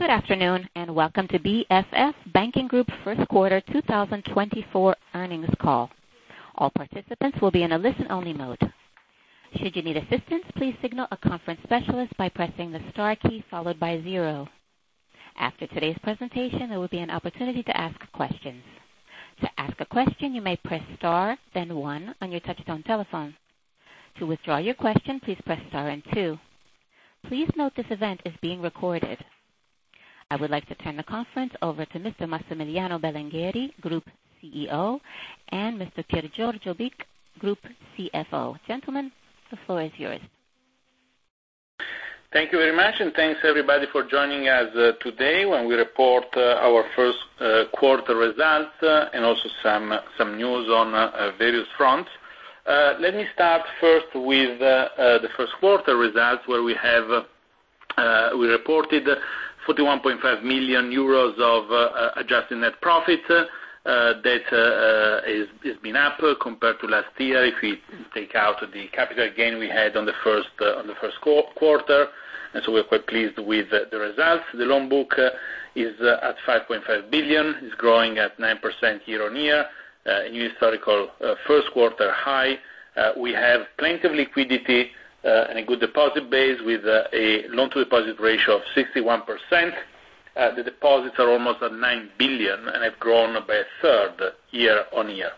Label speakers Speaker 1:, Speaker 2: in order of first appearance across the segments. Speaker 1: Good afternoon and welcome to BFF Banking Group first quarter 2024 earnings call. All participants will be in a listen-only mode. Should you need assistance, please signal a conference specialist by pressing the star key followed by 0. After today's presentation, there will be an opportunity to ask questions. To ask a question, you may press star, then 1 on your touch-tone telephone. To withdraw your question, please press star and 2. Please note this event is being recorded. I would like to turn the conference over to Mr. Massimiliano Belingheri, Group CEO, and Mr. Piergiorgio Bicci, Group CFO. Gentlemen, the floor is yours.
Speaker 2: Thank you very much, and thanks everybody for joining us today when we report our first quarter results and also some news on various fronts. Let me start first with the first quarter results where we reported 41.5 million euros of adjusted net profit. That has been up compared to last year if we take out the capital gain we had on the first quarter, and so we're quite pleased with the results. The loan book is at 5.5 billion, is growing at 9% year-on-year, a new historical first quarter high. We have plenty of liquidity and a good deposit base with a loan-to-deposit ratio of 61%. The deposits are almost at 9 billion, and they've grown by a third year-on-year.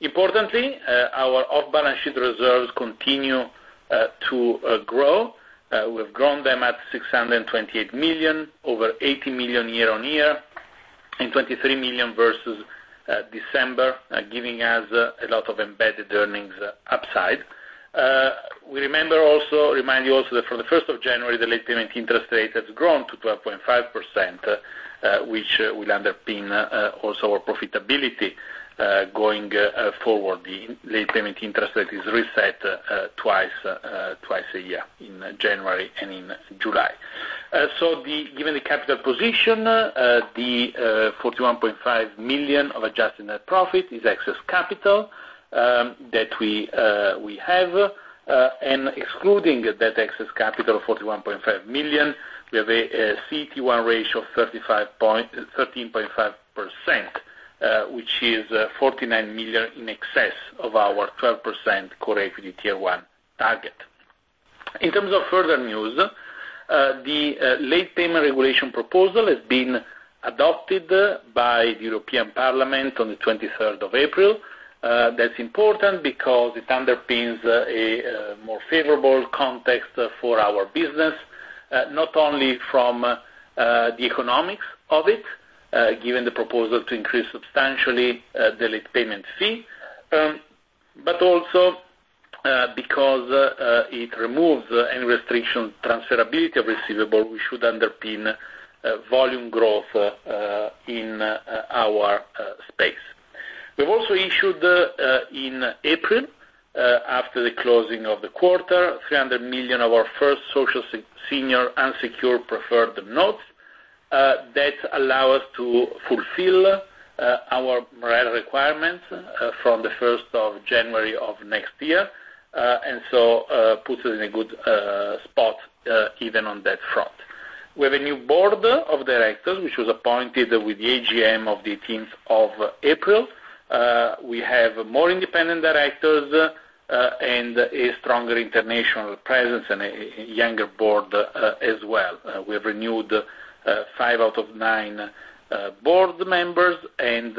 Speaker 2: Importantly, our off-balance sheet reserves continue to grow. We've grown them at 628 million, over 80 million year-on-year, and 23 million versus December, giving us a lot of embedded earnings upside. We remind you also that from the 1st of January, the late payment interest rate has grown to 12.5%, which will underpin also our profitability going forward. The late payment interest rate is reset twice a year in January and in July. So given the capital position, the 41.5 million of adjusted net profit is excess capital that we have, and excluding that excess capital of 41.5 million, we have a CET1 ratio of 13.5%, which is 49 million in excess of our 12% core equity tier one target. In terms of further news, the Late Payment Regulation proposal has been adopted by the European Parliament on the April 23, 2024. That's important because it underpins a more favorable context for our business, not only from the economics of it, given the proposal to increase substantially the late payment fee, but also because it removes any restriction on transferability of receivable, which would underpin volume growth in our space. We've also issued in April, after the closing of the quarter, 300 million of our first Social Senior Unsecured Preferred Notes. That allows us to fulfill our MREL requirements from the 1st of January of next year, and so puts us in a good spot even on that front. We have a new Board of Directors, which was appointed with the AGM of the 18th of April. We have more independent directors and a stronger international presence and a younger board as well. We have renewed five out of nine board members, and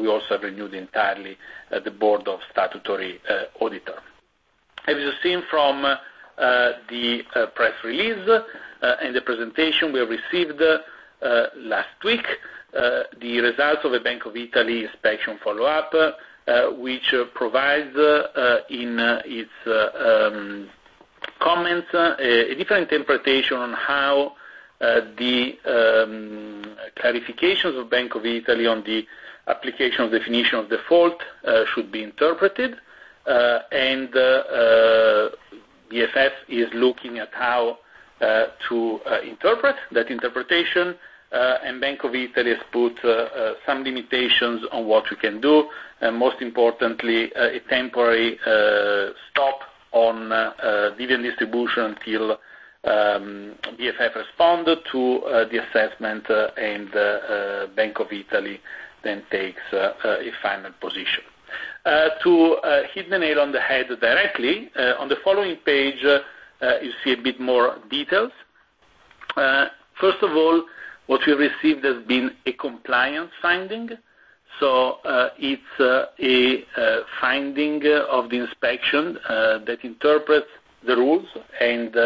Speaker 2: we also have renewed entirely the Board of Statutory Auditors. As you've seen from the press release and the presentation we received last week, the results of a Bank of Italy inspection follow-up, which provides in its comments a different interpretation on how the clarifications of Bank of Italy on the application of definition of default should be interpreted, and BFF is looking at how to interpret that interpretation. Bank of Italy has put some limitations on what we can do, and most importantly, a temporary stop on dividend distribution until BFF responded to the assessment, and Bank of Italy then takes a final position. To hit the nail on the head directly, on the following page, you see a bit more details. First of all, what we've received has been a compliance finding. So it's a finding of the inspection that interprets the rules and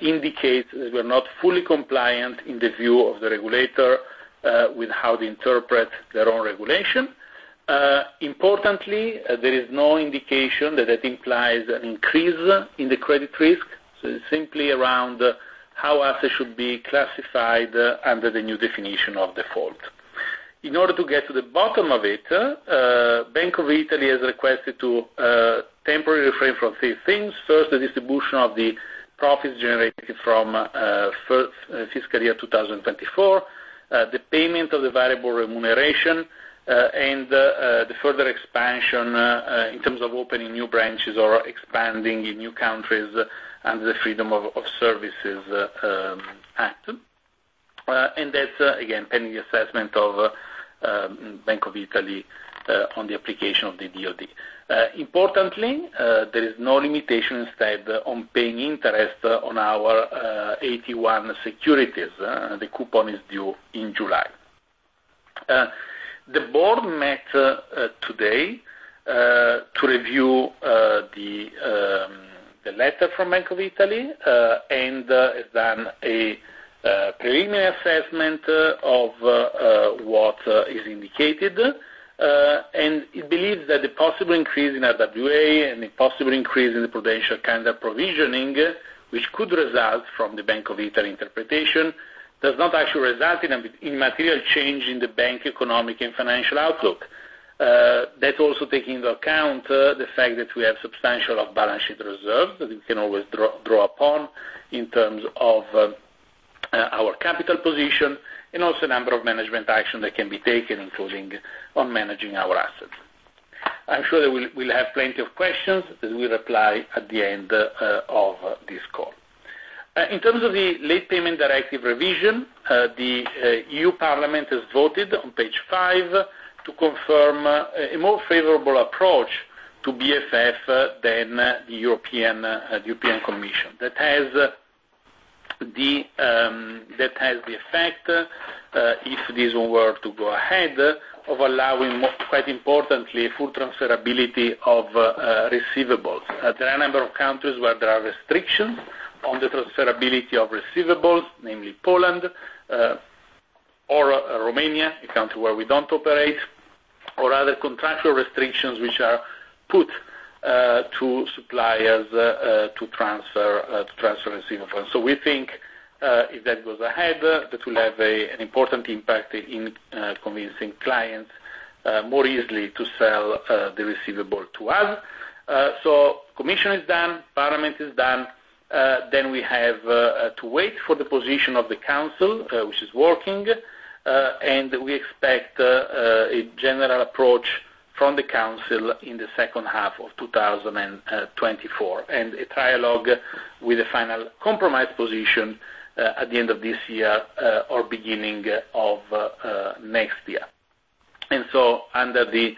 Speaker 2: indicates that we're not fully compliant in the view of the regulator with how they interpret their own regulation. Importantly, there is no indication that that implies an increase in the credit risk. So it's simply around how assets should be classified under the new definition of default. In order to get to the bottom of it, Bank of Italy has requested to temporarily refrain from three things. First, the distribution of the profits generated from fiscal year 2024, the payment of the variable remuneration, and the further expansion in terms of opening new branches or expanding in new countries under the Freedom of Services Act. And that's, again, pending the assessment of Bank of Italy on the application of the DOD. Importantly, there is no limitation instead on paying interest on our AT1 securities. The coupon is due in July. The board met today to review the letter from Bank of Italy and has done a preliminary assessment of what is indicated. It believes that the possible increase in RWA and the possible increase in the prudential kind of provisioning, which could result from the Bank of Italy interpretation, does not actually result in a material change in the bank's economic and financial outlook. That's also taking into account the fact that we have substantial off-balance sheet reserves that we can always draw upon in terms of our capital position and also a number of management actions that can be taken, including on managing our assets. I'm sure that we'll have plenty of questions that we'll reply at the end of this call. In terms of the Late Payment Directive revision, the European Parliament has voted on page five to confirm a more favorable approach to BFF than the European Commission. That has the effect, if this were to go ahead, of allowing, quite importantly, full transferability of receivables. There are a number of countries where there are restrictions on the transferability of receivables, namely Poland or Romania, a country where we don't operate, or other contractual restrictions which are put to suppliers to transfer receivables. So we think if that goes ahead, that will have an important impact in convincing clients more easily to sell the receivable to us. So Commission is done, Parliament is done. Then we have to wait for the position of the Council, which is working, and we expect a general approach from the Council in the second half of 2024 and a dialogue with a final compromise position at the end of this year or beginning of next year. So under the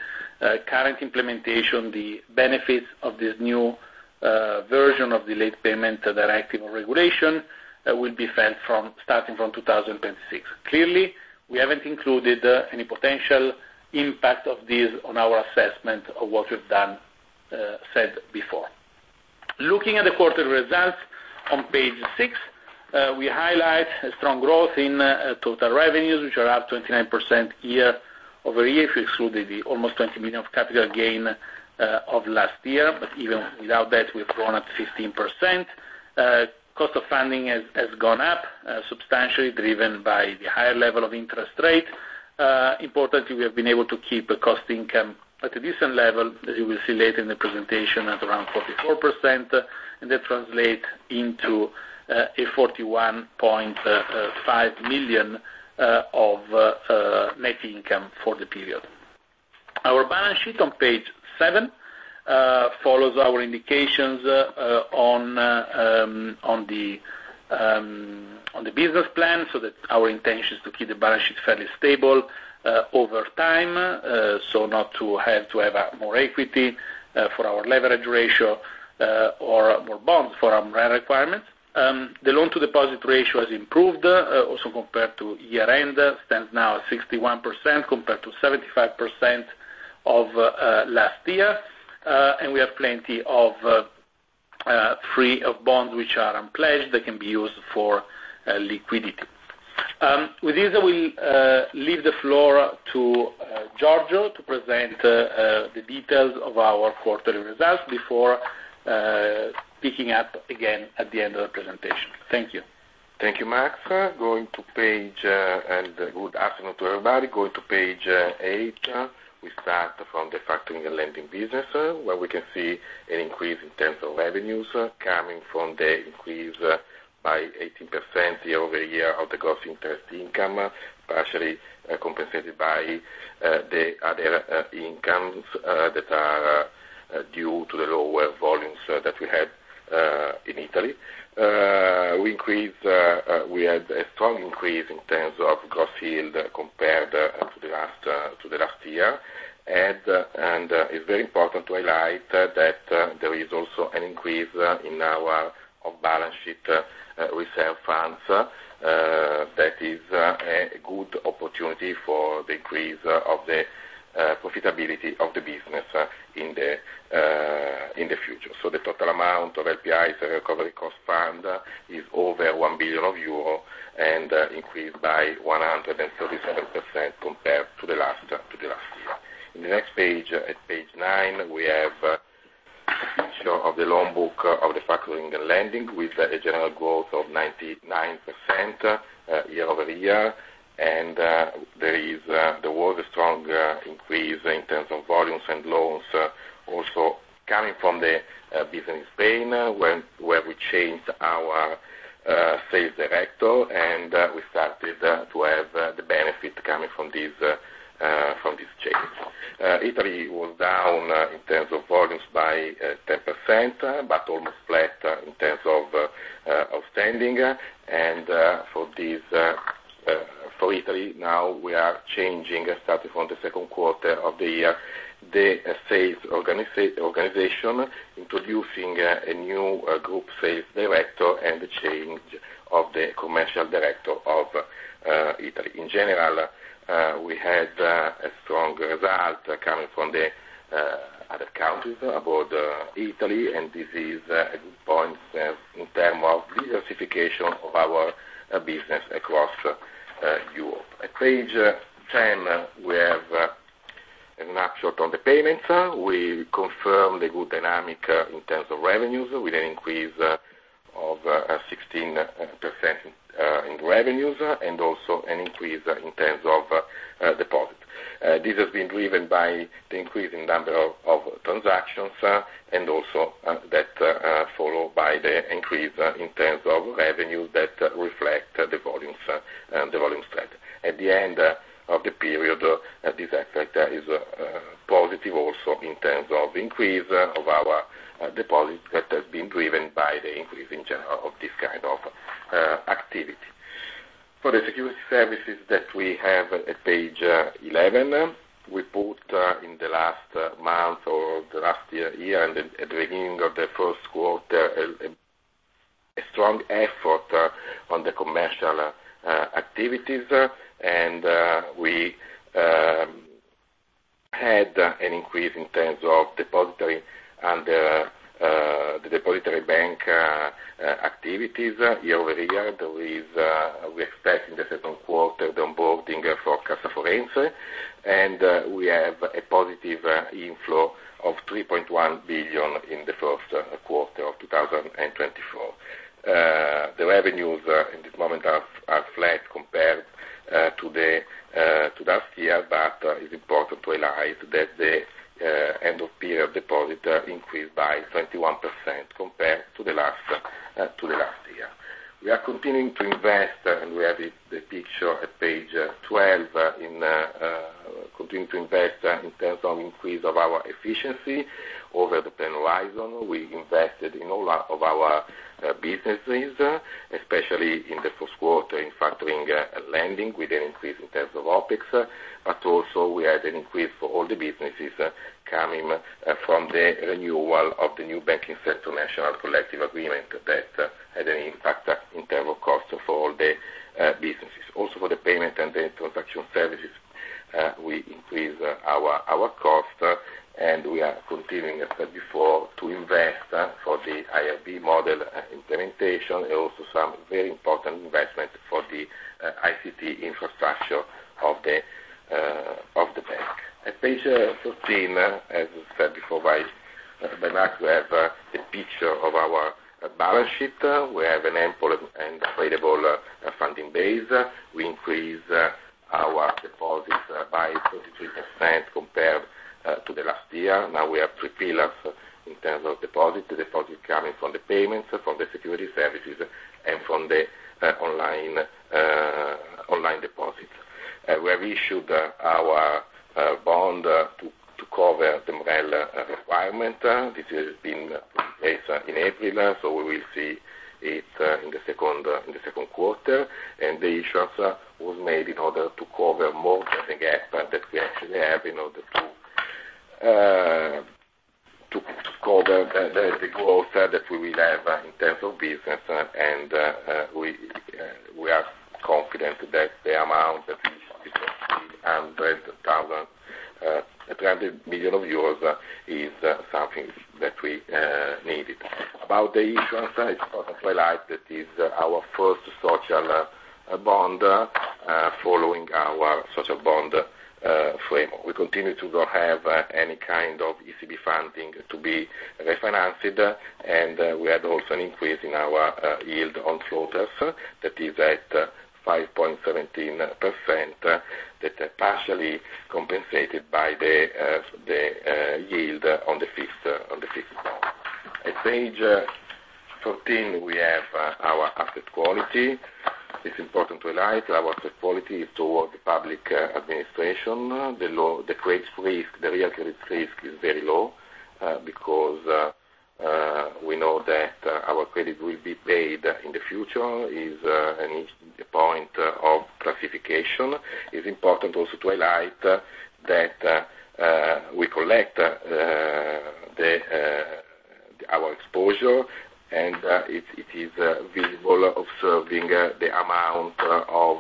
Speaker 2: current implementation, the benefits of this new version of the late payment directive or regulation will be felt starting from 2026. Clearly, we haven't included any potential impact of this on our assessment of what we've said before. Looking at the quarterly results on page six, we highlight a strong growth in total revenues, which are up 29% year-over-year if you exclude the almost 20 million of capital gain of last year, but even without that, we've grown at 15%. Cost of funding has gone up substantially, driven by the higher level of interest rate. Importantly, we have been able to keep cost income at a decent level, as you will see later in the presentation, at around 44%, and that translates into a 41.5 million of net income for the period. Our balance sheet on page seven follows our indications on the business plan, so that our intention is to keep the balance sheet fairly stable over time, so not to have to have more equity for our leverage ratio or more bonds for our MREL requirements. The loan-to-deposit ratio has improved also compared to year-end, stands now at 61% compared to 75% of last year, and we have plenty of free bonds which are unpledged that can be used for liquidity. With this, I will leave the floor to Giorgio to present the details of our quarterly results before picking up again at the end of the presentation. Thank you.
Speaker 3: Thank you, Max. Going to page seven and good afternoon to everybody. Going to page eight, we start from the factoring and lending business where we can see an increase in terms of revenues coming from the increase by 18% year-over-year of the gross interest income, partially compensated by the other incomes that are due to the lower volumes that we had in Italy. We had a strong increase in terms of gross yield compared to the last year, and it's very important to highlight that there is also an increase in our off-balance sheet reserves that is a good opportunity for the increase of the profitability of the business in the future. So the total amount of LPIs, the Recovery Cost Fund, is over 1 billion euro and increased by 137% compared to the last year. In the next page, at page nine, we have a picture of the loan book of the factoring and lending with a general growth of 99% year-over-year, and there was a strong increase in terms of volumes and loans also coming from the business in Spain where we changed our sales director, and we started to have the benefit coming from this change. Italy was down in terms of volumes by 10% but almost flat in terms of outstanding, and for Italy, now we are changing, starting from the second quarter of the year, the sales organization introducing a new group sales director and the change of the commercial director of Italy. In general, we had a strong result coming from the other countries abroad Italy, and this is a good point in terms of diversification of our business across Europe. At page 10, we have a snapshot on the payments. We confirm the good dynamic in terms of revenues with an increase of 16% in revenues and also an increase in terms of deposits. This has been driven by the increase in number of transactions and also that followed by the increase in terms of revenues that reflect the volume spread. At the end of the period, this effect is positive also in terms of increase of our deposits that has been driven by the increase in general of this kind of activity. For the securities services that we have at page 11, we put in the last month or the last year, at the beginning of the first quarter, a strong effort on the commercial activities, and we had an increase in terms of depository under the depository bank activities year-over-year. We expect in the second quarter the onboarding for Cassa Forense, and we have a positive inflow of 3.1 billion in the first quarter of 2024. The revenues at this moment are flat compared to last year, but it's important to highlight that the end-of-period deposit increased by 21% compared to the last year. We are continuing to invest, and we have the picture at page 12, continuing to invest in terms of increase of our efficiency. Over the plan horizon, we invested in all of our businesses, especially in the first quarter in factoring and lending with an increase in terms of OPEX, but also we had an increase for all the businesses coming from the renewal of the new Banking Sector National Collective Agreement that had an impact in terms of costs for all the businesses. Also for the payment and the transaction services, we increased our costs, and we are continuing, as said before, to invest for the IRB model implementation and also some very important investment for the ICT infrastructure of the bank. At page 14, as said before by Max, we have a picture of our balance sheet. We have an ample and available funding base. We increased our deposits by 23% compared to the last year. Now we have three pillars in terms of deposit: the deposit coming from the payments, from the securities services, and from the online deposits. We have issued our bond to cover the MREL requirement. This has been put in place in April, so we will see it in the second quarter, and the issue was made in order to cover more than the gap that we actually have in order to cover the growth that we will have in terms of business, and we are confident that the amount that we issued, 300 million euros, is something that we needed. About the issuance, it's important to highlight that it is our first social bond following our social bond framework. We continue to not have any kind of ECB funding to be refinanced, and we had also an increase in our yield on floaters that is at 5.17%, that's partially compensated by the yield on the fixed bond. At page 14, we have our asset quality. It's important to highlight our asset quality is toward the public administration. The real credit risk is very low because we know that our credit will be paid in the future. It's a point of classification. It's important also to highlight that we collect our exposure, and it is visible observing the amount of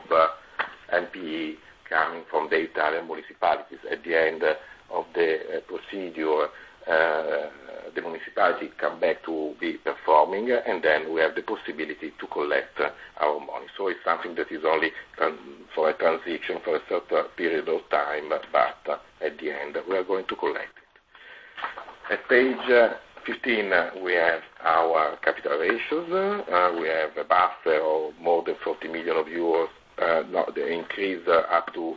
Speaker 3: NPE coming from the Italian municipalities. At the end of the procedure, the municipality comes back to be performing, and then we have the possibility to collect our money. So it's something that is only for a transition for a certain period of time, but at the end, we are going to collect it. At page 15, we have our capital ratios. We have above or more than 40 million euros, the increase up to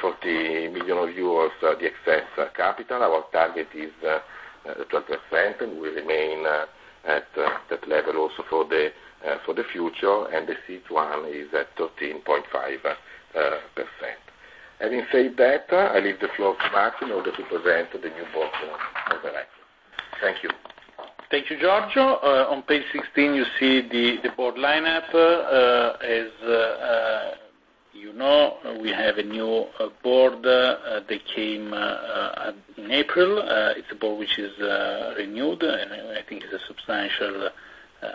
Speaker 3: 40 million euros the excess capital. Our target is 12%, and we remain at that level also for the future, and the CET1 is at 13.5%. Having said that, I leave the floor to Max in order to present the new Board of Directors. Thank you.
Speaker 2: Thank you, Giorgio. On page 16, you see the board lineup. As you know, we have a new board that came in April. It's a board which is renewed, and I think it's a substantial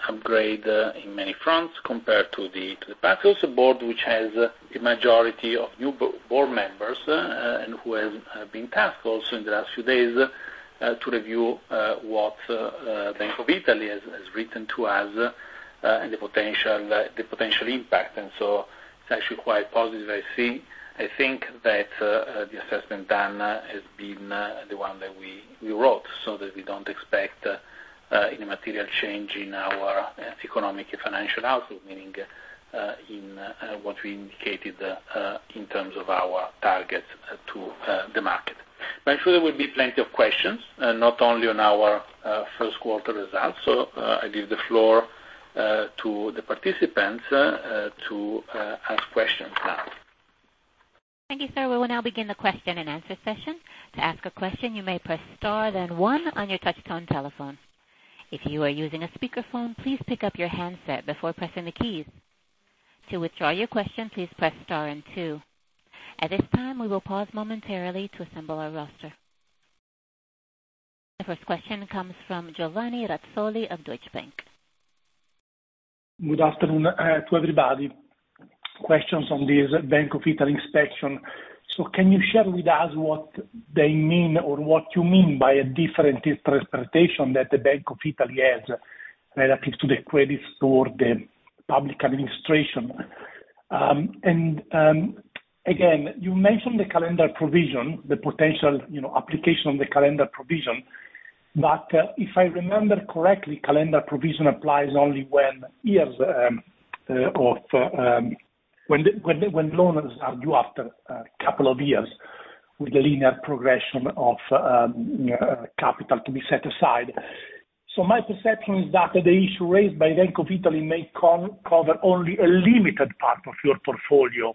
Speaker 2: upgrade in many fronts compared to the past. It's also a board which has a majority of new board members and who has been tasked also in the last few days to review what Bank of Italy has written to us and the potential impact. And so it's actually quite positive. I think that the assessment done has been the one that we wrote so that we don't expect any material change in our economic and financial outlook, meaning in what we indicated in terms of our targets to the market. But I'm sure there will be plenty of questions, not only on our first quarter results. I leave the floor to the participants to ask questions now.
Speaker 1: Thank you, sir. We will now begin the question-and-answer session. To ask a question, you may press star then one on your touchscreen telephone. If you are using a speakerphone, please pick up your handset before pressing the keys. To withdraw your question, please press star and two. At this time, we will pause momentarily to assemble our roster. The first question comes from Giovanni Razzoli of Deutsche Bank.
Speaker 4: Good afternoon to everybody. Questions on this Bank of Italy inspection. So can you share with us what they mean or what you mean by a different interpretation that the Bank of Italy has relative to the credits toward the public administration? And again, you mentioned the calendar provision, the potential application of the calendar provision, but if I remember correctly, calendar provision applies only when loans are due after a couple of years with the linear progression of capital to be set aside. So my perception is that the issue raised by Bank of Italy may cover only a limited part of your portfolio.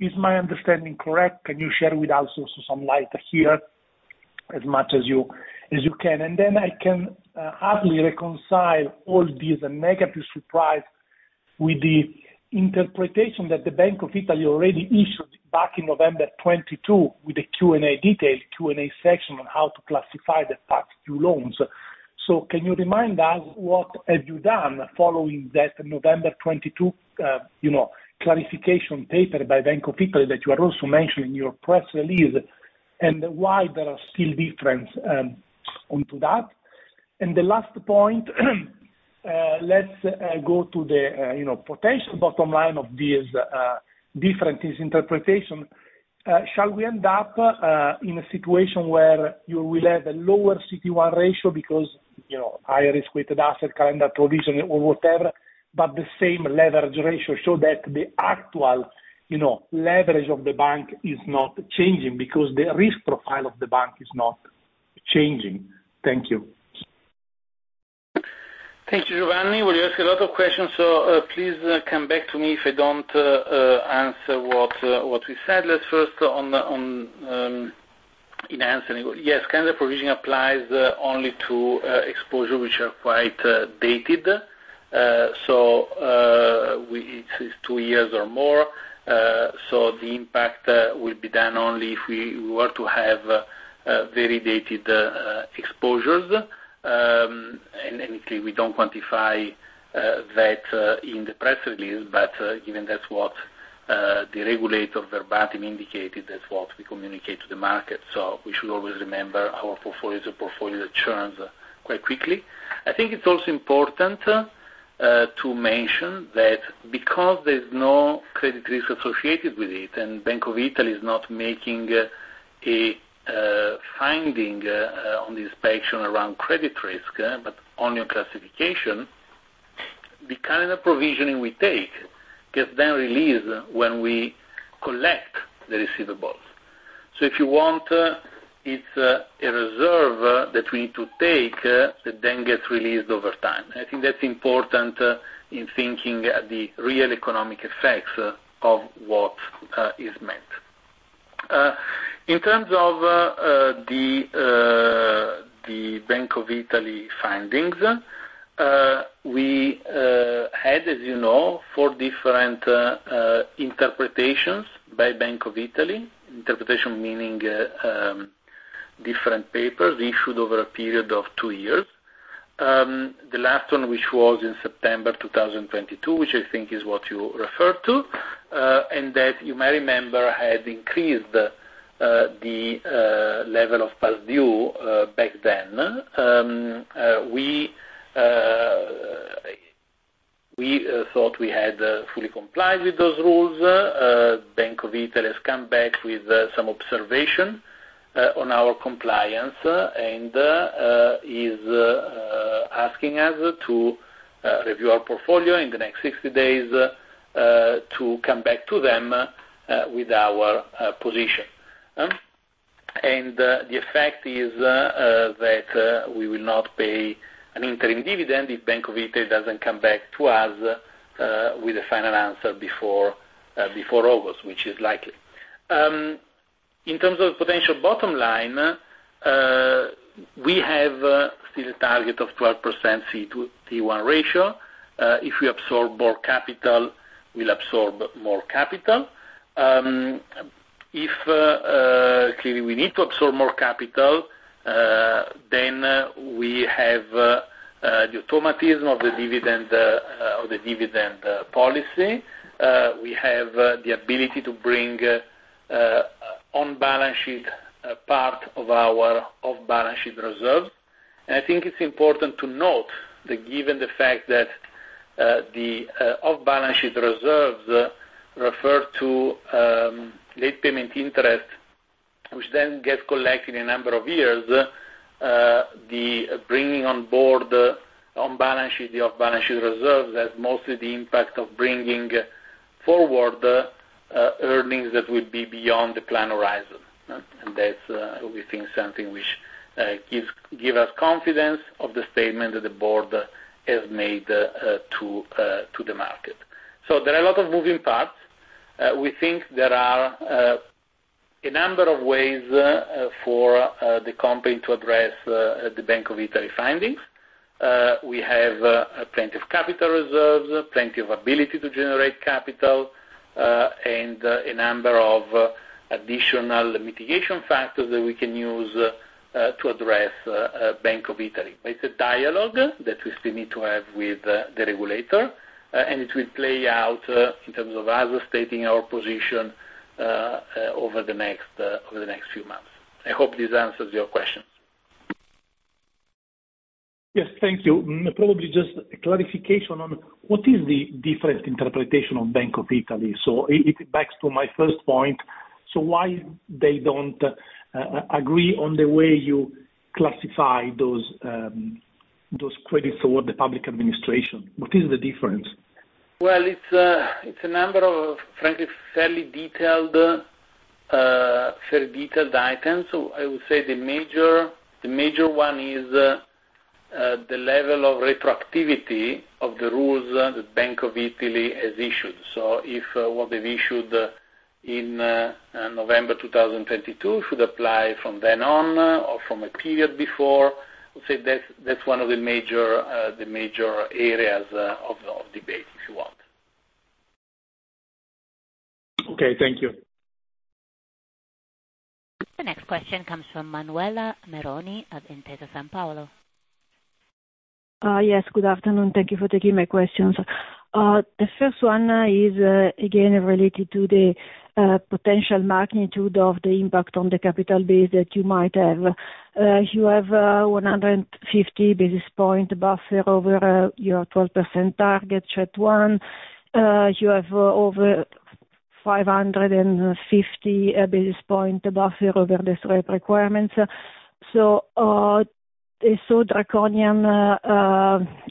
Speaker 4: Is my understanding correct? Can you share with us also some light here as much as you can? Then I can hardly reconcile all these negative surprises with the interpretation that the Bank of Italy already issued back in November 2022 with the detailed Q&A section on how to classify the past-due loans. So can you remind us what have you done following that November 2022 clarification paper by Bank of Italy that you are also mentioning in your press release and why there are still differences onto that? The last point, let's go to the potential bottom line of this difference interpretation. Shall we end up in a situation where you will have a lower CET1 ratio because higher risk-weighted assets calendar provisioning or whatever, but the same leverage ratio show that the actual leverage of the bank is not changing because the risk profile of the bank is not changing? Thank you.
Speaker 2: Thank you, Giovanni. We'll ask a lot of questions, so please come back to me if I don't answer what we said. Let's first answer yes, calendar provision applies only to exposures which are quite dated. So it's two years or more. So the impact will be done only if we were to have very dated exposures. And actually, we don't quantify that in the press release, but given that's what the regulator verbatim indicated, that's what we communicate to the market. So we should always remember our portfolio's portfolio returns quite quickly. I think it's also important to mention that because there's no credit risk associated with it and Bank of Italy is not making a finding on the inspection around credit risk but only on classification, the calendar provisioning we take gets then released when we collect the receivables. So if you want, it's a reserve that we need to take that then gets released over time. I think that's important in thinking the real economic effects of what is meant. In terms of the Bank of Italy findings, we had, as you know, four different interpretations by Bank of Italy, interpretation meaning different papers issued over a period of two years. The last one, which was in September 2022, which I think is what you referred to, and that you may remember had increased the level of past due back then. We thought we had fully complied with those rules. Bank of Italy has come back with some observation on our compliance and is asking us to review our portfolio in the next 60 days to come back to them with our position. The effect is that we will not pay an interim dividend if Bank of Italy doesn't come back to us with a final answer before August, which is likely. In terms of the potential bottom line, we have still a target of 12% CET1 ratio. If we absorb more capital, we'll absorb more capital. If clearly we need to absorb more capital, then we have the automatism of the dividend policy. We have the ability to bring on balance sheet part of our off-balance sheet reserves. And I think it's important to note that given the fact that the off-balance sheet reserves refer to late payment interest, which then gets collected in a number of years, the bringing on board on balance sheet, the off-balance sheet reserves has mostly the impact of bringing forward earnings that will be beyond the plan horizon. That's, we think, something which gives us confidence of the statement that the board has made to the market. There are a lot of moving parts. We think there are a number of ways for the company to address the Bank of Italy findings. We have plenty of capital reserves, plenty of ability to generate capital, and a number of additional mitigation factors that we can use to address Bank of Italy. But it's a dialogue that we still need to have with the regulator, and it will play out in terms of us stating our position over the next few months. I hope this answers your questions.
Speaker 4: Yes, thank you. Probably just a clarification on what is the different interpretation of Bank of Italy. It's back to my first point. So why they don't agree on the way you classify those credits toward the public administration? What is the difference?
Speaker 3: Well, it's a number of, frankly, fairly detailed items. So I would say the major one is the level of retroactivity of the rules that Bank of Italy has issued. So if what they've issued in November 2022 should apply from then on or from a period before, I would say that's one of the major areas of debate, if you want.
Speaker 4: Okay, thank you.
Speaker 1: The next question comes from Manuela Meroni of Intesa Sanpaolo.
Speaker 5: Yes, good afternoon. Thank you for taking my questions. The first one is, again, related to the potential magnitude of the impact on the capital base that you might have. You have a 150 basis points buffer over your 12% target CET1. You have over 550 basis points buffer over the SREP requirements. So a such draconian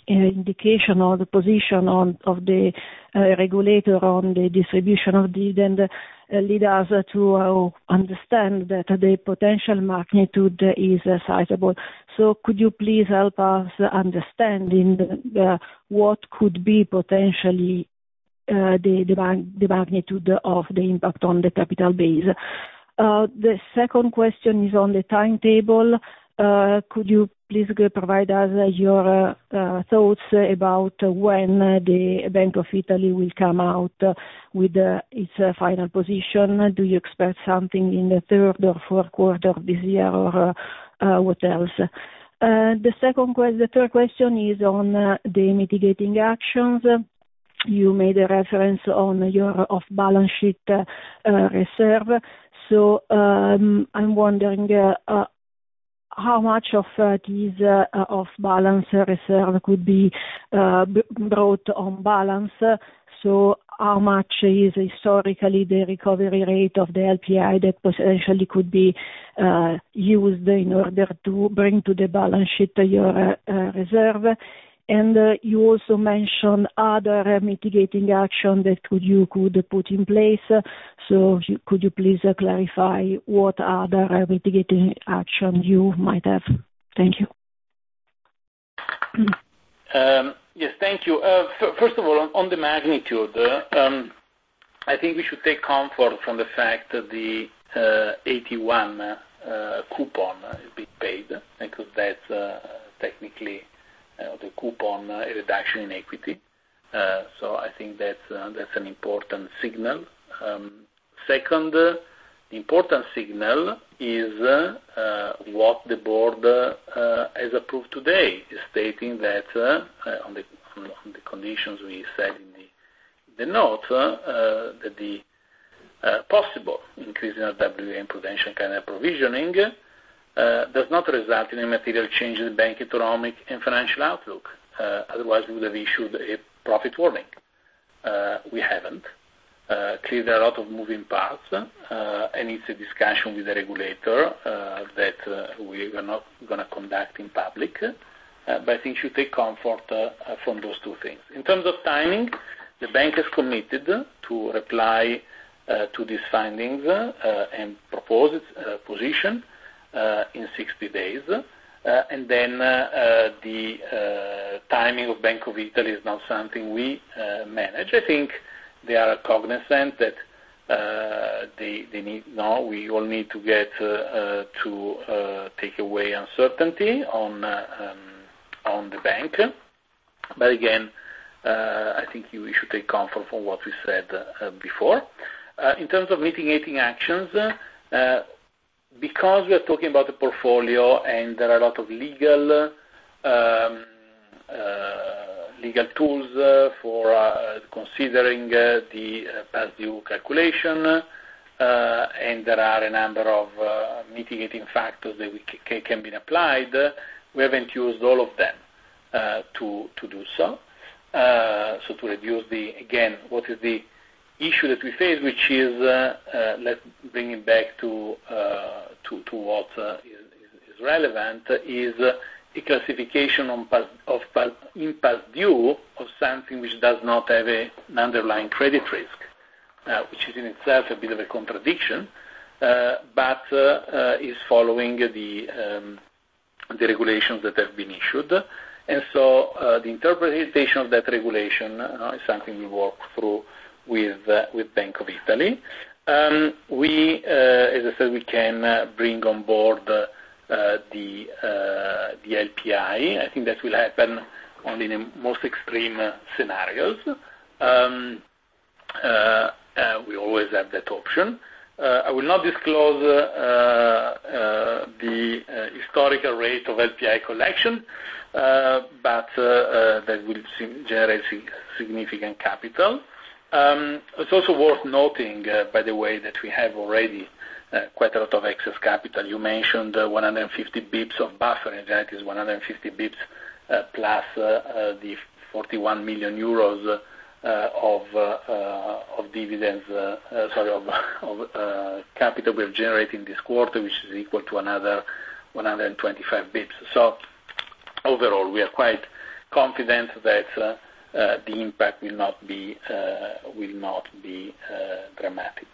Speaker 5: indication or the position of the regulator on the distribution of dividend led us to understand that the potential magnitude is sizable. So could you please help us understand what could be potentially the magnitude of the impact on the capital base? The second question is on the timetable. Could you please provide us your thoughts about when the Bank of Italy will come out with its final position? Do you expect something in the third or fourth quarter of this year or what else? The third question is on the mitigating actions. You made a reference on your off-balance sheet reserve. So I'm wondering how much of this off-balance reserve could be brought on balance. So how much is historically the recovery rate of the LPI that potentially could be used in order to bring to the balance sheet your reserve? And you also mentioned other mitigating actions that you could put in place. So could you please clarify what other mitigating actions you might have? Thank you.
Speaker 2: Yes, thank you. First of all, on the magnitude, I think we should take comfort from the fact that the AT1 coupon is being paid because that's technically the coupon reduction in equity. So I think that's an important signal. Second, the important signal is what the board has approved today, stating that on the conditions we said in the notes that the possible increase in RWA and potential calendar provisioning does not result in a material change in the bank economic and financial outlook. Otherwise, we would have issued a profit warning. We haven't. Clearly, there are a lot of moving parts, and it's a discussion with the regulator that we are not going to conduct in public. But I think you should take comfort from those two things. In terms of timing, the bank has committed to reply to these findings and propose its position in 60 days. Then the timing of Bank of Italy is not something we manage. I think they are cognizant that they need now. We all need to get to take away uncertainty on the bank. But again, I think you should take comfort from what we said before. In terms of mitigating actions, because we are talking about a portfolio and there are a lot of legal tools for considering the past due calculation, and there are a number of mitigating factors that can be applied, we haven't used all of them to do so. So to reduce the again, what is the issue that we face, which is let's bring it back to what is relevant, is the classification in past due of something which does not have an underlying credit risk, which is in itself a bit of a contradiction, but is following the regulations that have been issued. The interpretation of that regulation is something we'll work through with Bank of Italy. As I said, we can bring on board the LPI. I think that will happen only in the most extreme scenarios. We always have that option. I will not disclose the historical rate of LPI collection, but that will generate significant capital. It's also worth noting, by the way, that we have already quite a lot of excess capital. You mentioned 150 basis points of buffer. In generality, it's 150 basis points plus the 41 million euros of dividends sorry, of capital we have generated in this quarter, which is equal to another 125 basis points. Overall, we are quite confident that the impact will not be dramatic.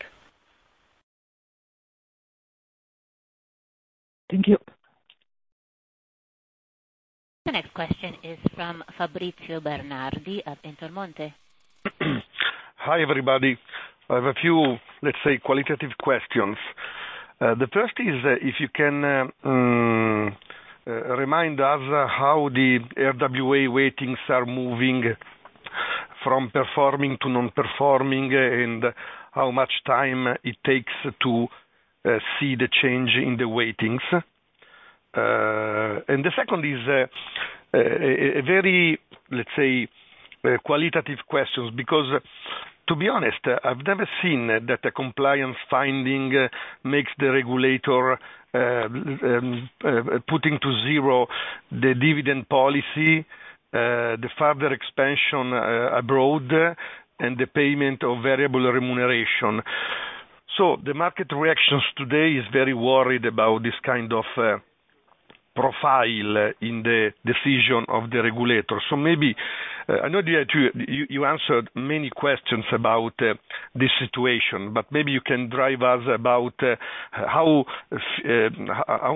Speaker 5: Thank you.
Speaker 1: The next question is from Fabrizio Bernardi of Intermonte.
Speaker 6: Hi, everybody. I have a few, let's say, qualitative questions. The first is if you can remind us how the RWA weightings are moving from performing to non-performing and how much time it takes to see the change in the weightings. The second is very, let's say, qualitative questions because, to be honest, I've never seen that a compliance finding makes the regulator put to zero the dividend policy, the further expansion abroad, and the payment of variable remuneration. So the market reaction today is very worried about this kind of profile in the decision of the regulator. So maybe I know that you answered many questions about this situation, but maybe you can guide us about how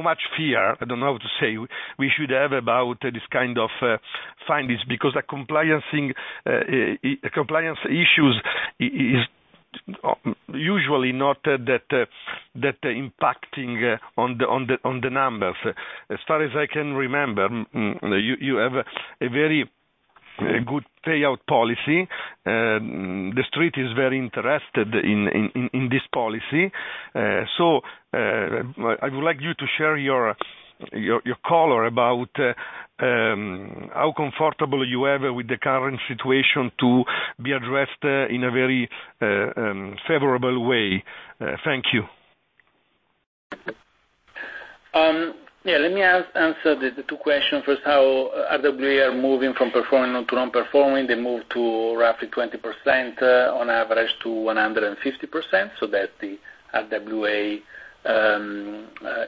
Speaker 6: much fear I don't know how to say we should have about this kind of findings because compliance issues are usually not that impacting on the numbers. As far as I can remember, you have a very good payout policy. The street is very interested in this policy. So I would like you to share your color on how comfortable you are with the current situation to be addressed in a very favorable way. Thank you.
Speaker 3: Yeah, let me answer the two questions. First, how RWA are moving from performing to non-performing. They moved to roughly 20%-150% on average. So that's the RWA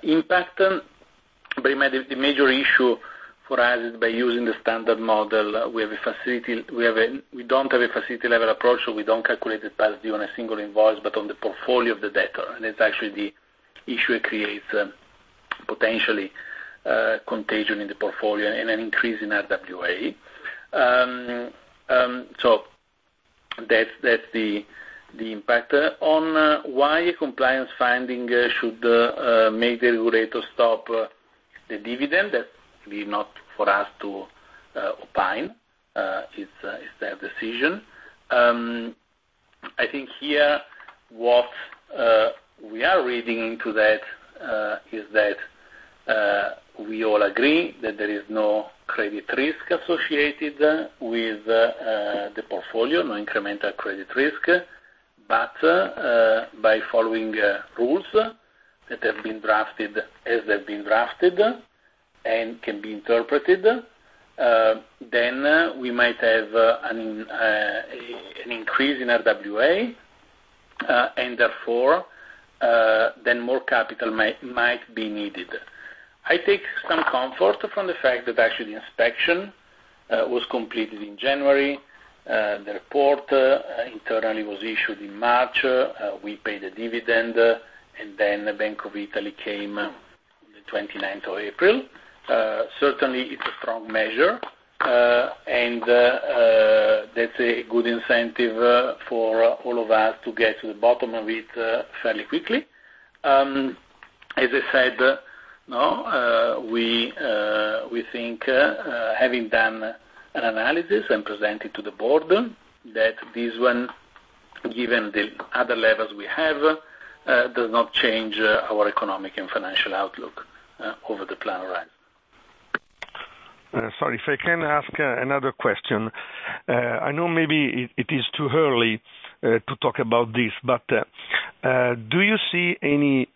Speaker 3: impact. But the major issue for us is by using the standard model, we have a facility we don't have a facility-level approach, so we don't calculate the past due on a single invoice, but on the portfolio of the debtor. And that's actually the issue it creates, potentially, contagion in the portfolio and an increase in RWA. So that's the impact. On why a compliance finding should make the regulator stop the dividend, that's really not for us to opine. It's their decision. I think here what we are reading into that is that we all agree that there is no credit risk associated with the portfolio, no incremental credit risk, but by following rules that have been drafted as they've been drafted and can be interpreted, then we might have an increase in RWA and therefore then more capital might be needed. I take some comfort from the fact that actually the inspection was completed in January. The report internally was issued in March. We paid the dividend, and then Bank of Italy came on the 29th of April. Certainly, it's a strong measure, and that's a good incentive for all of us to get to the bottom of it fairly quickly. As I said, we think having done an analysis and presented to the board that this one, given the other levels we have, does not change our economic and financial outlook over the plan horizon.
Speaker 6: Sorry, if I can ask another question. I know maybe it is too early to talk about this, but do you see any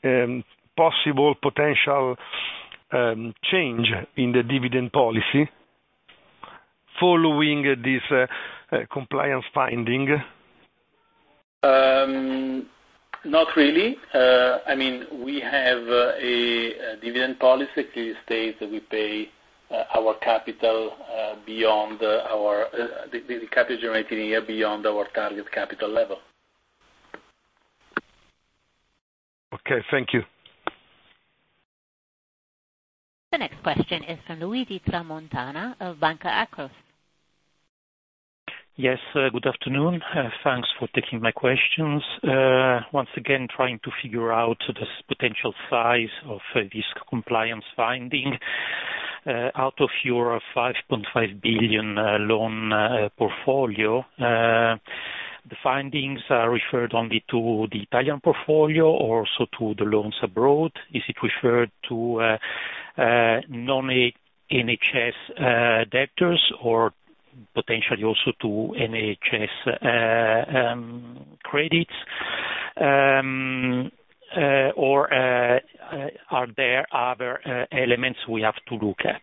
Speaker 6: possible potential change in the dividend policy following this compliance finding?
Speaker 2: Not really. I mean, we have a dividend policy that states that we pay our capital beyond our capital generated here beyond our target capital level.
Speaker 6: Okay, thank you.
Speaker 1: The next question is from Luigi Tramontana of Banca Akros.
Speaker 7: Yes, good afternoon. Thanks for taking my questions. Once again, trying to figure out this potential size of this compliance finding. Out of your 5.5 billion loan portfolio, the findings are referred only to the Italian portfolio or also to the loans abroad? Is it referred to non-NHS debtors or potentially also to NHS credits? Or are there other elements we have to look at?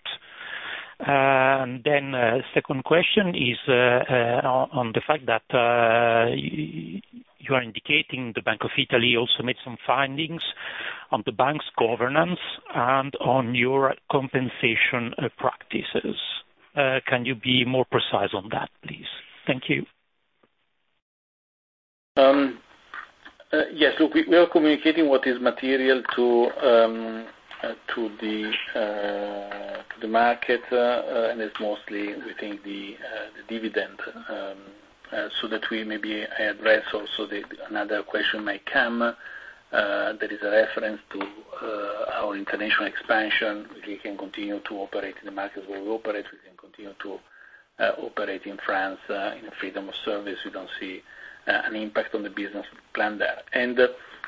Speaker 7: Then second question is on the fact that you are indicating the Bank of Italy also made some findings on the bank's governance and on your compensation practices. Can you be more precise on that, please? Thank you.
Speaker 2: Yes, look, we are communicating what is material to the market, and it's mostly within the dividend so that we maybe address also another question might come. There is a reference to our international expansion. We can continue to operate in the markets where we operate. We can continue to operate in France in freedom of service. We don't see an impact on the business plan there. And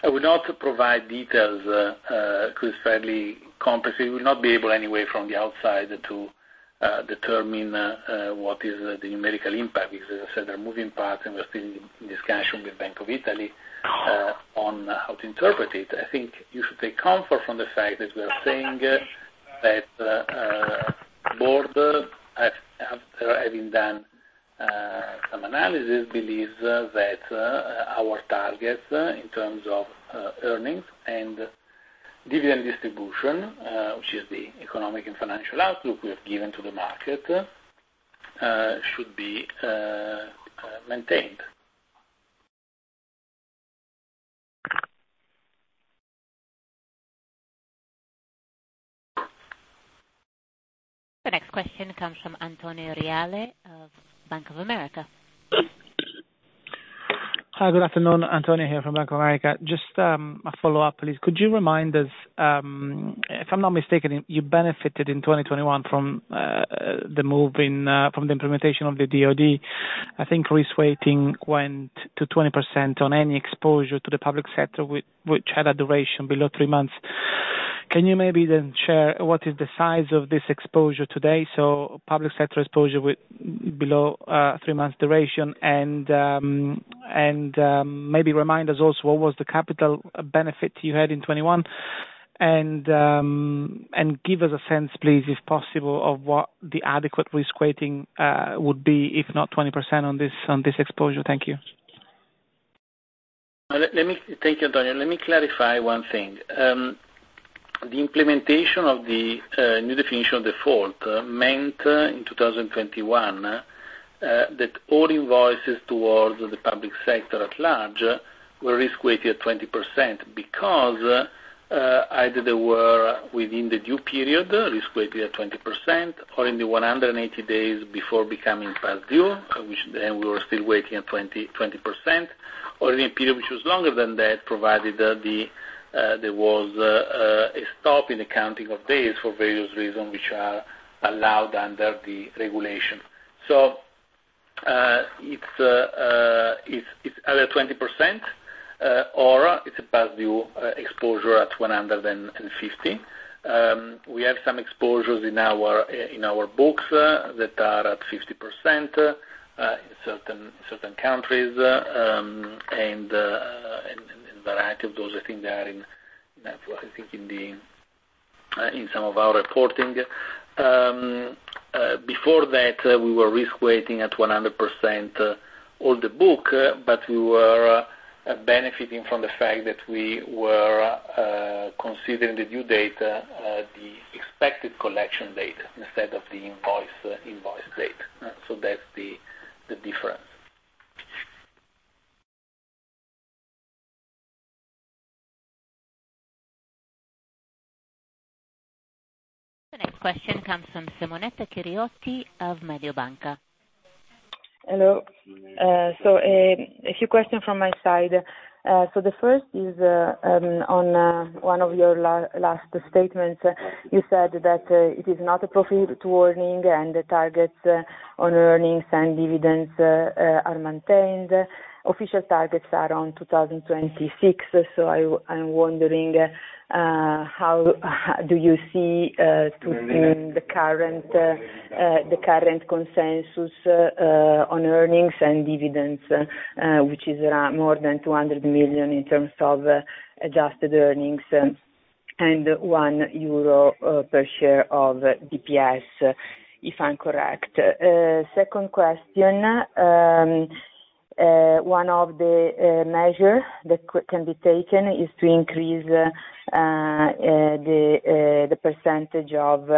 Speaker 2: I will not provide details because it's fairly complex. We will not be able anyway from the outside to determine what is the numerical impact because, as I said, there are moving parts, and we are still in discussion with Bank of Italy on how to interpret it. I think you should take comfort from the fact that we are saying that the board, having done some analysis, believes that our targets in terms of earnings and dividend distribution, which is the economic and financial outlook we have given to the market, should be maintained.
Speaker 1: The next question comes from Antonio Reale of Bank of America.
Speaker 8: Hi, good afternoon. Antonio here from Bank of America. Just a follow-up, please. Could you remind us, if I'm not mistaken, you benefited in 2021 from the moving from the implementation of the DoD. I think risk weighting went to 20% on any exposure to the public sector, which had a duration below three months. Can you maybe then share what is the size of this exposure today? So public sector exposure below three months duration. And maybe remind us also what was the capital benefit you had in 2021. And give us a sense, please, if possible, of what the adequate risk weighting would be, if not 20%, on this exposure. Thank you.
Speaker 2: Thank you, Antonio. Let me clarify one thing. The implementation of the new definition of default meant in 2021 that all invoices towards the public sector at large were risk weighted at 20% because either they were within the due period risk weighted at 20% or in the 180 days before becoming past due, which then we were still weighting at 20%, or in a period which was longer than that provided there was a stop in the counting of days for various reasons which are allowed under the regulation. So it's either 20% or it's a past due exposure at 150. We have some exposures in our books that are at 50% in certain countries. And in a variety of those, I think they are in, I think, in some of our reporting. Before that, we were risk weighting at 100% all the book, but we were benefiting from the fact that we were considering the due date, the expected collection date, instead of the invoice date. So that's the difference.
Speaker 1: The next question comes from Simonetta Chiriotti of Mediobanca.
Speaker 9: Hello. So a few questions from my side. So the first is on one of your last statements. You said that it is not a profit warning and the targets on earnings and dividends are maintained. Official targets are on 2026. So I'm wondering how do you see the current consensus on earnings and dividends, which is more than 200 million in terms of adjusted earnings and 1 euro per share of DPS, if I'm correct. Second question, one of the measures that can be taken is to increase the percentage of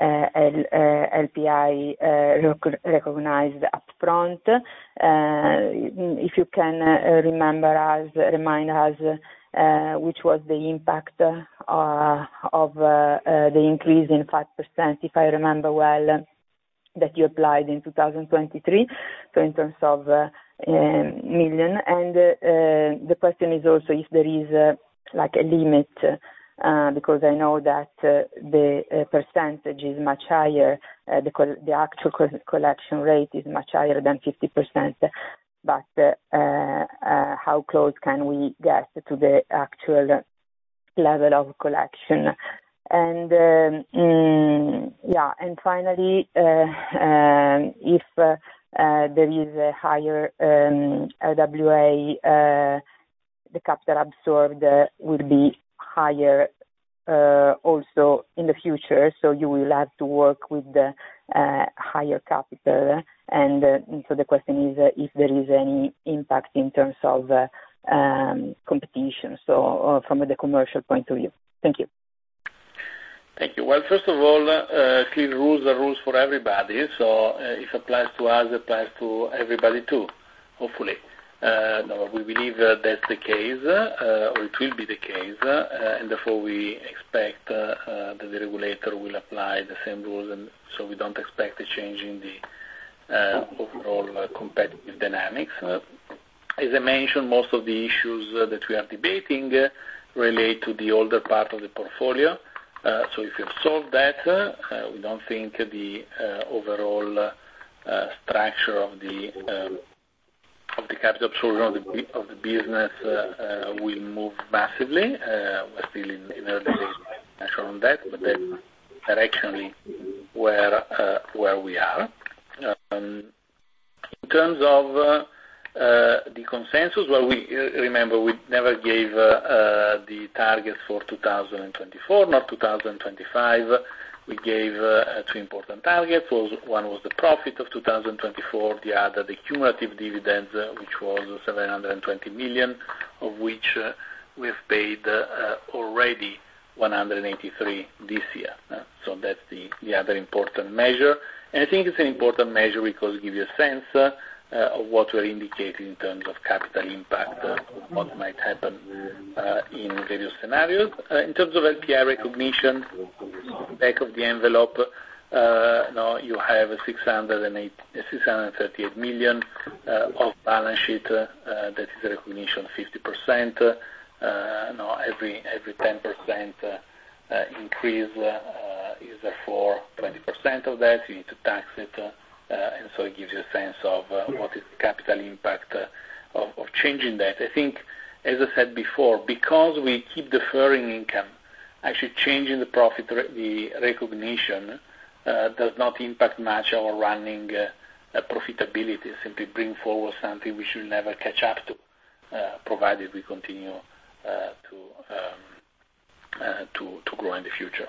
Speaker 9: LPI recognized upfront. If you can remind us which was the impact of the increase in 5%, if I remember well, that you applied in 2023, so in terms of million. And the question is also if there is a limit because I know that the percentage is much higher. The actual collection rate is much higher than 50%. But how close can we get to the actual level of collection? And yeah. And finally, if there is a higher RWA, the capital absorbed would be higher also in the future. So you will have to work with higher capital. And so the question is if there is any impact in terms of competition, so from the commercial point of view. Thank you.
Speaker 2: Thank you. Well, first of all, clear rules, the rules for everybody. So if it applies to us, it applies to everybody too, hopefully. Now, we believe that's the case or it will be the case, and therefore we expect that the regulator will apply the same rules. And so we don't expect a change in the overall competitive dynamics. As I mentioned, most of the issues that we are debating relate to the older part of the portfolio. So if we have solved that, we don't think the overall structure of the capital absorption of the business will move massively. We're still in early stages on that, but that's directionally where we are. In terms of the consensus, well, remember, we never gave the targets for 2024 nor 2025. We gave two important targets. One was the profit of 2024. The other, the cumulative dividends, which was 720 million, of which we have paid already 183 million this year. So that's the other important measure. I think it's an important measure because it gives you a sense of what we're indicating in terms of capital impact of what might happen in various scenarios. In terms of LPI recognition, back of the envelope, now you have 638 million of balance sheet. That is recognition 50%. Now, every 10% increase is therefore 20% of that. You need to tax it. And so it gives you a sense of what is the capital impact of changing that. I think, as I said before, because we keep deferring income, actually changing the profit recognition does not impact much our running profitability. It simply brings forward something which we'll never catch up to provided we continue to grow in the future.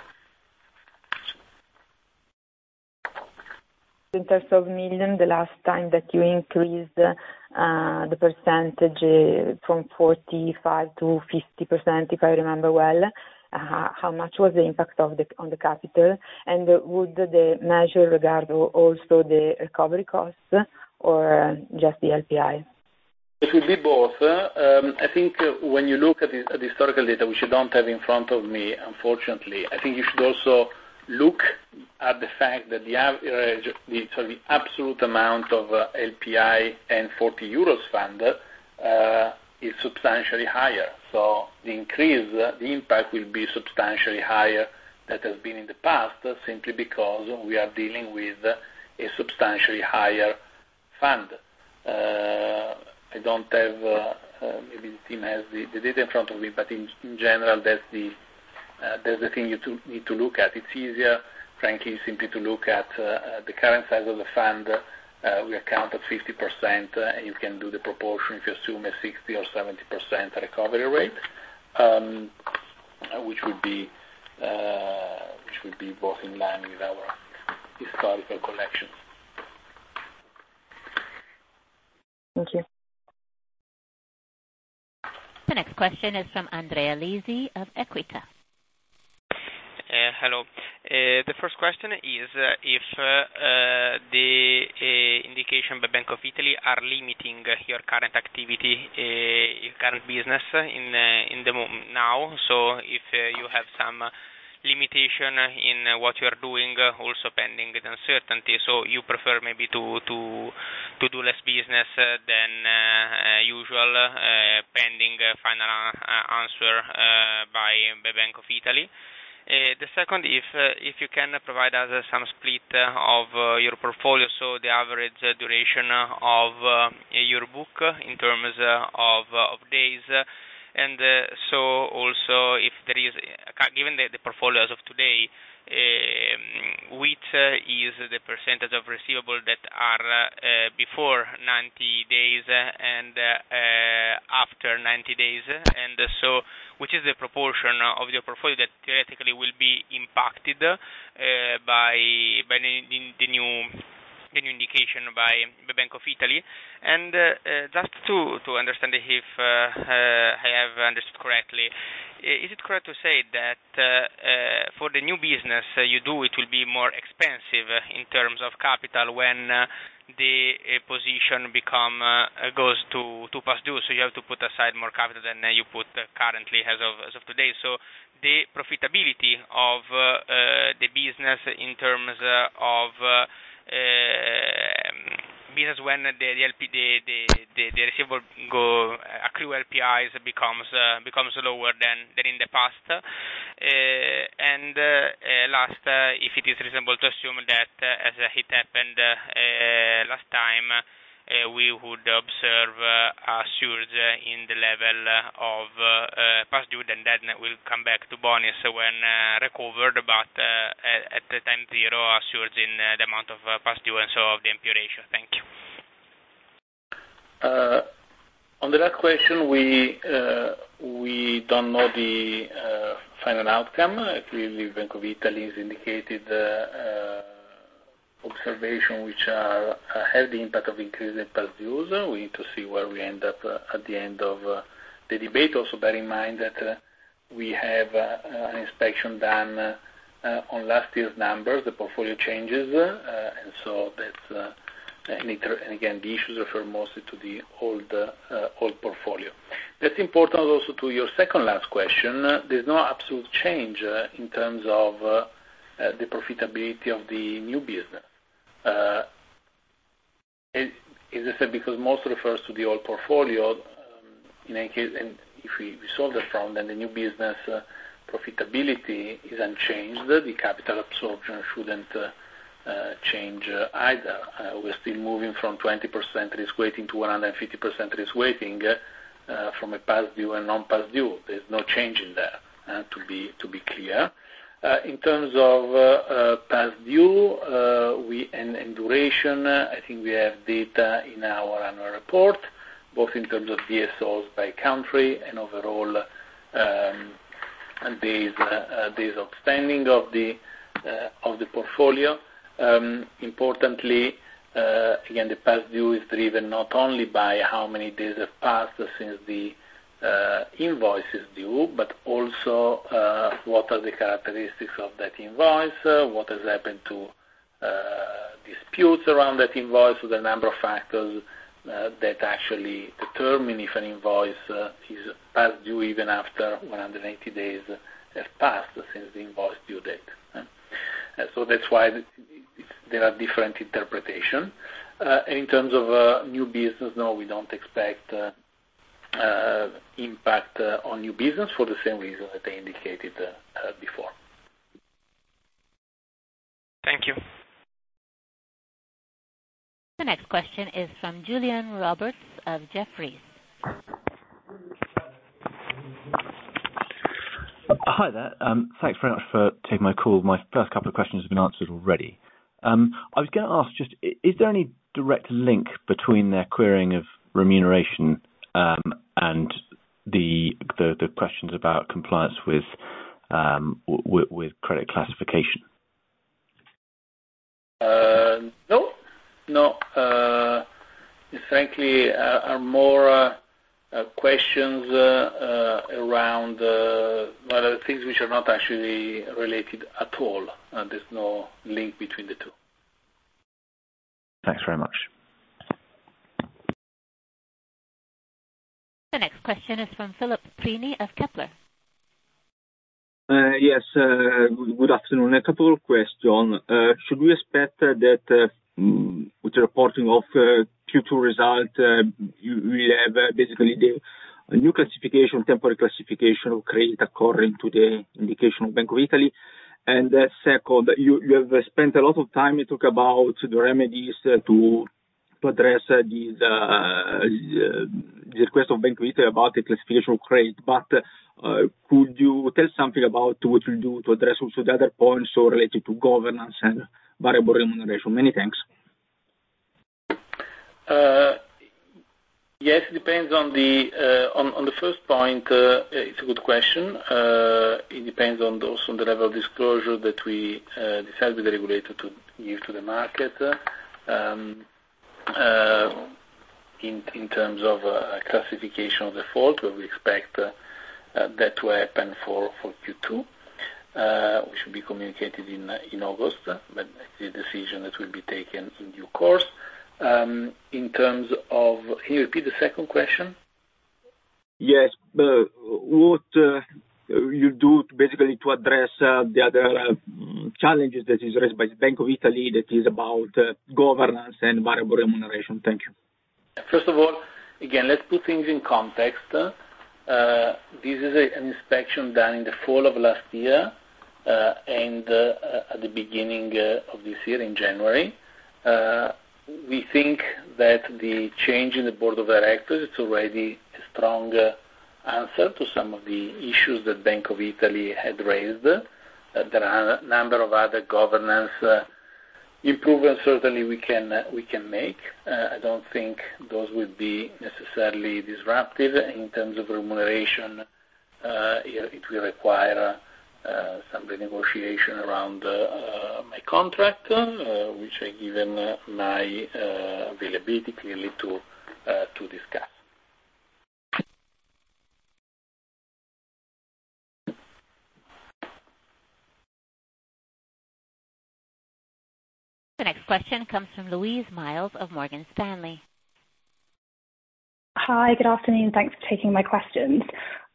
Speaker 9: In terms of millions, the last time that you increased the percentage from 45%-50%, if I remember well, how much was the impact on the capital? And would the measure regard also the recovery costs or just the LPI?
Speaker 2: It will be both. I think when you look at the historical data, which you don't have in front of me, unfortunately, I think you should also look at the fact that the absolute amount of LPI and recovery cost fund is substantially higher. So the increase, the impact will be substantially higher than it has been in the past simply because we are dealing with a substantially higher fund. I don't have maybe the team has the data in front of me, but in general, that's the thing you need to look at. It's easier, frankly, simply to look at the current size of the fund. We account at 50%, and you can do the proportion if you assume a 60% or 70% recovery rate, which would be both in line with our historical collections.
Speaker 9: Thank you.
Speaker 1: The next question is from Andrea Lisi of Equita.
Speaker 10: Hello. The first question is if the indications by Bank of Italy are limiting your current activity, your current business now. So if you have some limitation in what you are doing, also pending the uncertainty, so you prefer maybe to do less business than usual, pending final answer by Bank of Italy. The second, if you can provide us some split of your portfolio, so the average duration of your book in terms of days. And so also if there is given the portfolio as of today, which is the percentage of receivables that are before 90 days and after 90 days, which is the proportion of your portfolio that theoretically will be impacted by the new indication by Bank of Italy. Just to understand if I have understood correctly, is it correct to say that for the new business you do, it will be more expensive in terms of capital when the position goes to past due? You have to put aside more capital than you put currently as of today. The profitability of the business in terms of business when the receivable accrue LPIs becomes lower than in the past. Last, if it is reasonable to assume that as it happened last time, we would observe a surge in the level of past due, then that will come back to book when recovered, but at time zero, a surge in the amount of past due and so of the impairment. Thank you.
Speaker 2: On the last question, we don't know the final outcome. I believe Bank of Italy's indicated observation, which have the impact of increasing past dues. We need to see where we end up at the end of the debate. Also bear in mind that we have an inspection done on last year's numbers, the portfolio changes. And so that's, and again, the issues refer mostly to the old portfolio. That's important also to your second last question. There's no absolute change in terms of the profitability of the new business. As I said, because most refers to the old portfolio, in any case, and if we solve that problem, then the new business profitability is unchanged. The capital absorption shouldn't change either. We're still moving from 20% risk weighting to 150% risk weighting from a past due and non-past due. There's no change in there, to be clear. In terms of past due and duration, I think we have data in our annual report, both in terms of DSOs by country and overall days outstanding of the portfolio. Importantly, again, the past due is driven not only by how many days have passed since the invoice is due, but also what are the characteristics of that invoice, what has happened to disputes around that invoice, so the number of factors that actually determine if an invoice is past due even after 180 days have passed since the invoice due date. So that's why there are different interpretations. In terms of new business, no, we don't expect impact on new business for the same reason that I indicated before.
Speaker 10: Thank you.
Speaker 1: The next question is from Julian Roberts of Jefferies.
Speaker 11: Hi there. Thanks very much for taking my call. My first couple of questions have been answered already. I was going to ask just, is there any direct link between their querying of remuneration and the questions about compliance with credit classification?
Speaker 2: No. No. Frankly, there are more questions around things which are not actually related at all. There's no link between the two.
Speaker 11: Thanks very much.
Speaker 1: The next question is from Filippo Prini of Kepler.
Speaker 12: Yes. Good afternoon. A couple of questions. Should we expect that with the reporting of Q2 result, we have basically a new classification, temporary classification of credit according to the indication of Bank of Italy? And second, you have spent a lot of time talking about the remedies to address this request of Bank of Italy about the classification of credit. But could you tell something about what you'll do to address also the other points related to governance and variable remuneration? Many thanks.
Speaker 2: Yes. It depends on the first point. It's a good question. It depends also on the level of disclosure that we decide with the regulator to give to the market in terms of classification of default, where we expect that to happen for Q2, which will be communicated in August. But it's a decision that will be taken in due course. In terms of, can you repeat the second question?
Speaker 12: Yes. What you'll do basically to address the other challenges that is raised by Bank of Italy, that is about governance and variable remuneration. Thank you.
Speaker 2: First of all, again, let's put things in context. This is an inspection done in the fall of last year and at the beginning of this year, in January. We think that the change in the Board of Directors. It's already a strong answer to some of the issues that Bank of Italy had raised. There are a number of other governance improvements, certainly, we can make. I don't think those would be necessarily disruptive in terms of remuneration. It will require some renegotiation around my contract, which I, given my availability, clearly to discuss.
Speaker 1: The next question comes from Louisa Miles of Morgan Stanley.
Speaker 13: Hi. Good afternoon. Thanks for taking my questions.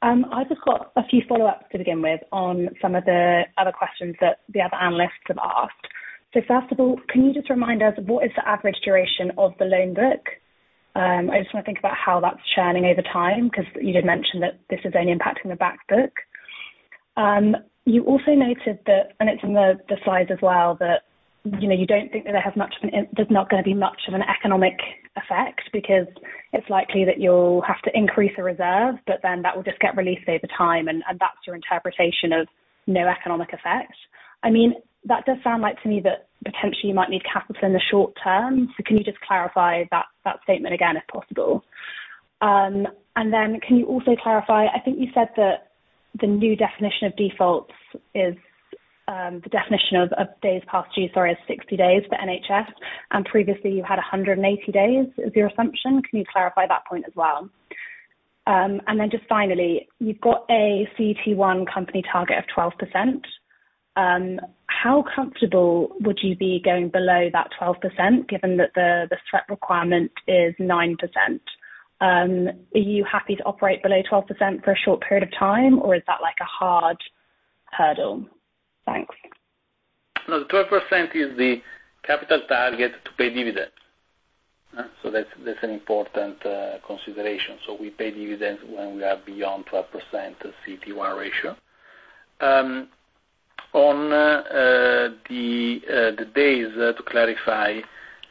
Speaker 13: I've just got a few follow-ups to begin with on some of the other questions that the other analysts have asked. So first of all, can you just remind us what is the average duration of the loan book? I just want to think about how that's churning over time because you did mention that this is only impacting the back book. You also noted that and it's in the slides as well that you don't think that there's not going to be much of an economic effect because it's likely that you'll have to increase the reserve, but then that will just get released over time. And that's your interpretation of no economic effect. I mean, that does sound like to me that potentially, you might need capital in the short term. So can you just clarify that statement again, if possible? And then can you also clarify I think you said that the new definition of defaults is the definition of days past due - sorry - is 60 days for NHF. And previously, you had 180 days as your assumption. Can you clarify that point as well? And then just finally, you've got a CET1 company target of 12%. How comfortable would you be going below that 12% given that the threat requirement is 9%? Are you happy to operate below 12% for a short period of time, or is that a hard hurdle? Thanks.
Speaker 2: No. The 12% is the capital target to pay dividends. So that's an important consideration. So we pay dividends when we are beyond 12% CET1 ratio. And to clarify,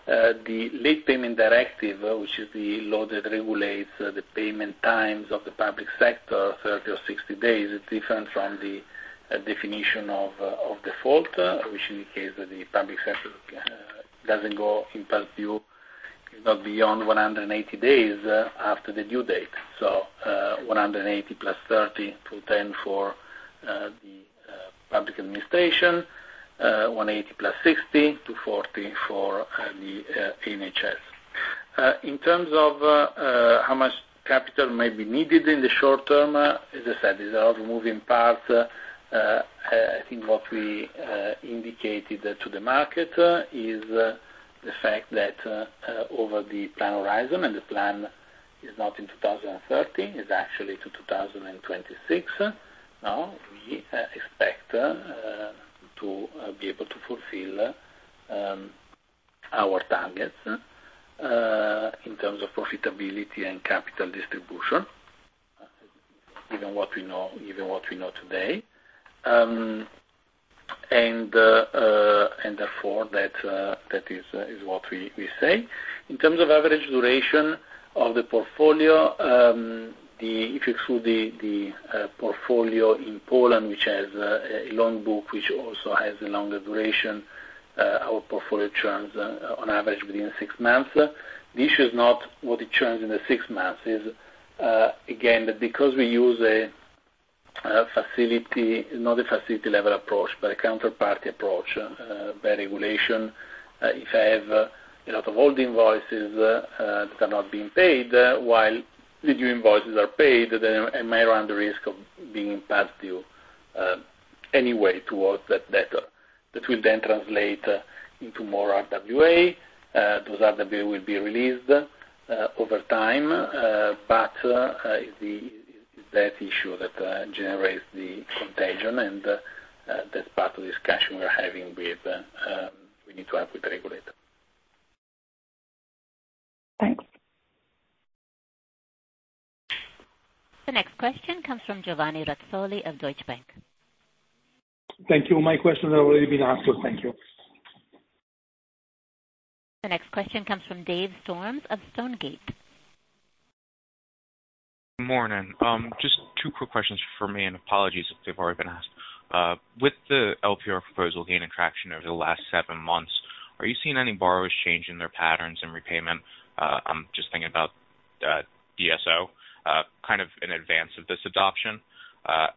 Speaker 2: the Late Payment Directive, which is the law that regulates the payment times of the public sector, 30 or 60 days, is different from the definition of default, which indicates that the public sector doesn't go in past due if not beyond 180 days after the due date. So 180 + 30 to 210 for the public administration, 180 + 60 to 240 for the NHF. In terms of how much capital may be needed in the short term, as I said, there's a lot of moving parts. I think what we indicated to the market is the fact that over the plan horizon and the plan is not to 2030. It's actually to 2026. Now, we expect to be able to fulfill our targets in terms of profitability and capital distribution, given what we know today. And therefore, that is what we say. In terms of average duration of the portfolio, if you exclude the portfolio in Poland, which has a loan book which also has a longer duration, our portfolio churns on average within six months. The issue is not what it churns in the six months. Again, because we use a facility not a facility-level approach, but a counterparty approach by regulation, if I have a lot of old invoices that are not being paid, while the due invoices are paid, then I may run the risk of being in past due anyway towards that debt. That will then translate into more RWA. Those RWA will be released over time. But it's that issue that generates the contagion. And that's part of the discussion we're having. We need to help with the regulator.
Speaker 13: Thanks.
Speaker 1: The next question comes from Giovanni Razzoli of Deutsche Bank.
Speaker 4: Thank you. My question has already been asked. Thank you.
Speaker 1: The next question comes from Dave Storms of Stonegate.
Speaker 14: Good morning. Just two quick questions for me and apologies if they've already been asked. With the LPR proposal gaining traction over the last seven months, are you seeing any borrowers change in their patterns in repayment? I'm just thinking about DSO kind of in advance of this adoption.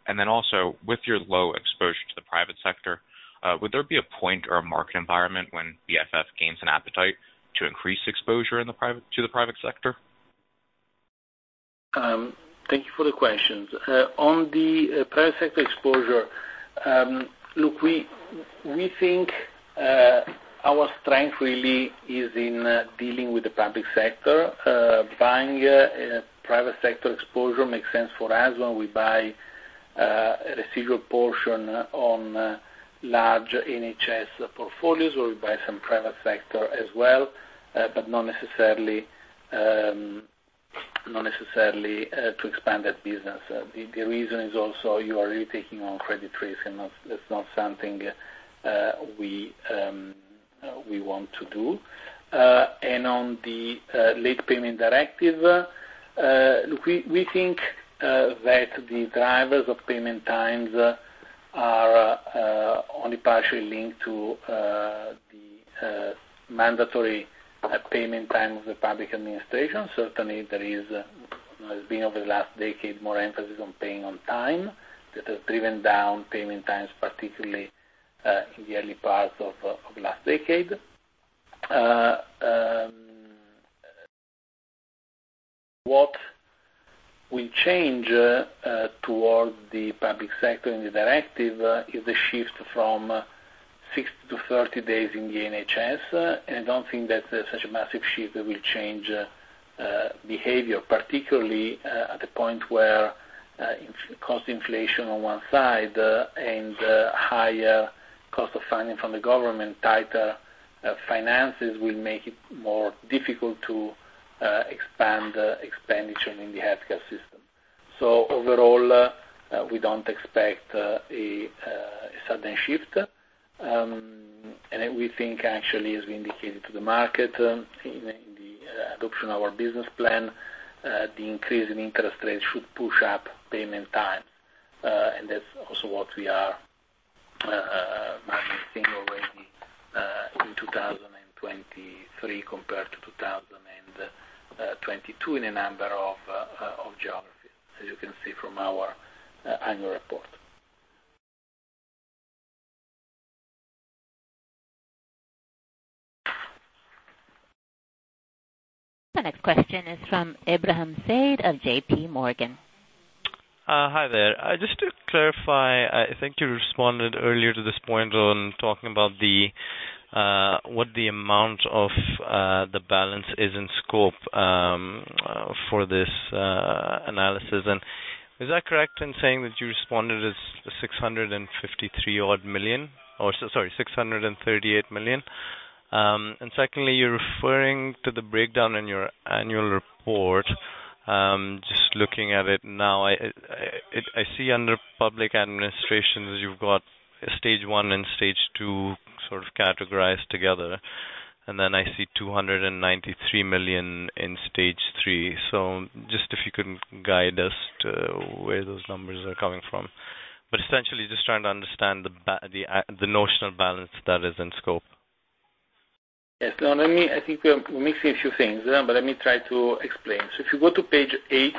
Speaker 14: And then also, with your low exposure to the private sector, would there be a point or a market environment when BFF gains an appetite to increase exposure to the private sector?
Speaker 2: Thank you for the questions. On the private sector exposure, look, we think our strength really is in dealing with the public sector. Buying private sector exposure makes sense for us when we buy a residual portion on large NHS portfolios or we buy some private sector as well, but not necessarily to expand that business. The reason is also you are really taking on credit risk, and that's not something we want to do. On the Late Payment Directive, look, we think that the drivers of payment times are only partially linked to the mandatory payment time of the public administration. Certainly, there has been over the last decade more emphasis on paying on time that has driven down payment times, particularly in the early parts of last decade. What will change towards the public sector in the directive is the shift from 60 to 30 days in the NHS. I don't think that such a massive shift will change behavior, particularly at the point where cost inflation on one side and higher cost of funding from the government, tighter finances will make it more difficult to expand expenditure in the healthcare system. Overall, we don't expect a sudden shift. We think, actually, as we indicated to the market in the adoption of our business plan, the increase in interest rates should push up payment times. That's also what we are managing already in 2023 compared to 2022 in a number of geographies, as you can see from our annual report.
Speaker 1: The next question is from Ebrahim Said of JPMorgan.
Speaker 15: Hi there. Just to clarify, I think you responded earlier to this point on talking about what the amount of the balance is in scope for this analysis. And is that correct in saying that you responded as 653-odd million or sorry, 638 million? And secondly, you're referring to the breakdown in your annual report. Just looking at it now, I see under public administrations, you've got stage one and stage two sort of categorized together. And then I see 293 million in stage three. So just if you could guide us to where those numbers are coming from. But essentially, just trying to understand the notional balance that is in scope.
Speaker 2: Yes. Now, I think we're mixing a few things, but let me try to explain. So if you go to page eight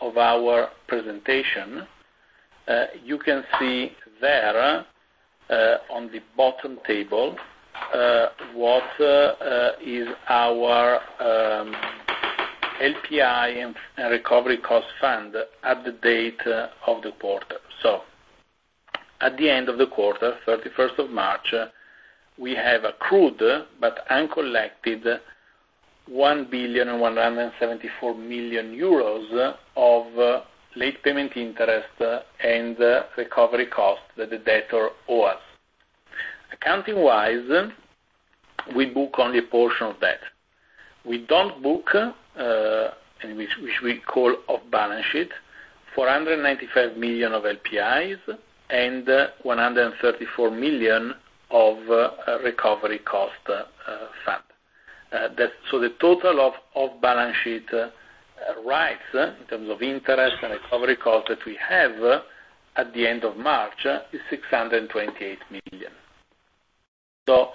Speaker 2: of our presentation, you can see there on the bottom table what is our LPI and recovery cost fund at the date of the quarter. So at the end of the quarter, 31st of March, we have accrued but uncollected 1,174 million euros of late payment interest and recovery cost that the debtor owe us. Accounting-wise, we book only a portion of that. We don't book which we call off-balance sheet 495 million of LPIs and 134 million of recovery cost fund. So the total of off-balance sheet rights in terms of interest and recovery cost that we have at the end of March is 628 million. So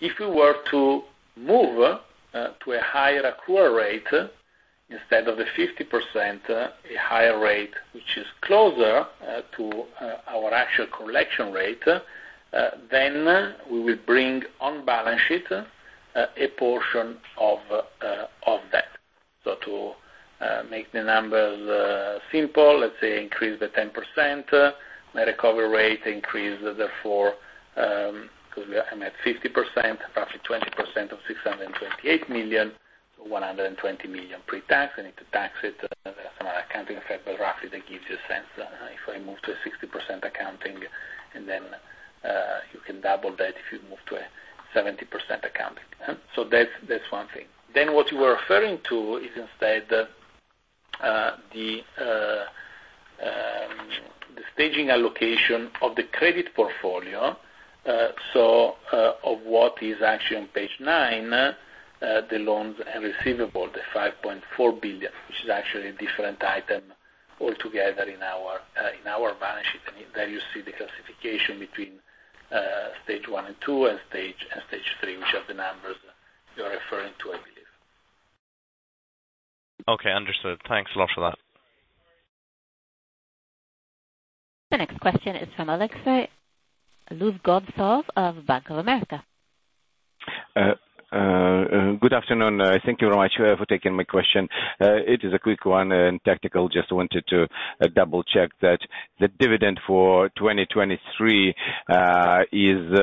Speaker 2: if we were to move to a higher accrual rate instead of the 50%, a higher rate which is closer to our actual collection rate, then we will bring on balance sheet a portion of that. So to make the numbers simple, let's say increase by 10%, my recovery rate increase, therefore because I'm at 50%, roughly 20% of 628 million, so 120 million pre-tax. I need to tax it. That's another accounting effect, but roughly, that gives you a sense. If I move to a 60% accounting, and then you can double that if you move to a 70% accounting. So that's one thing. Then what you were referring to is instead the staging allocation of the credit portfolio, so of what is actually on page nine, the loans and receivable, the 5.4 billion, which is actually a different item altogether in our balance sheet. There you see the classification between stage 1 and 2 and stage 3, which are the numbers you're referring to, I believe.
Speaker 15: Okay. Understood. Thanks a lot for that.
Speaker 1: The next question is from Alexei Gogolev of Bank of America.
Speaker 16: Good afternoon. Thank you very much for taking my question. It is a quick one and technical. Just wanted to double-check that the dividend for 2023 is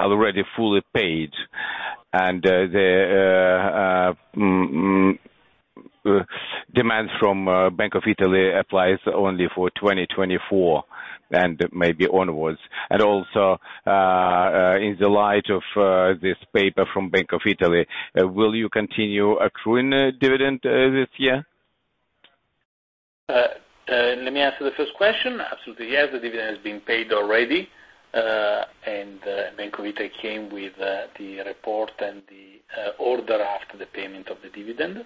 Speaker 16: already fully paid. The demands from Bank of Italy apply only for 2024 and maybe onwards. Also, in the light of this paper from Bank of Italy, will you continue accruing dividend this year?
Speaker 2: Let me answer the first question. Absolutely, yes. The dividend has been paid already. Bank of Italy came with the report and the order after the payment of the dividend.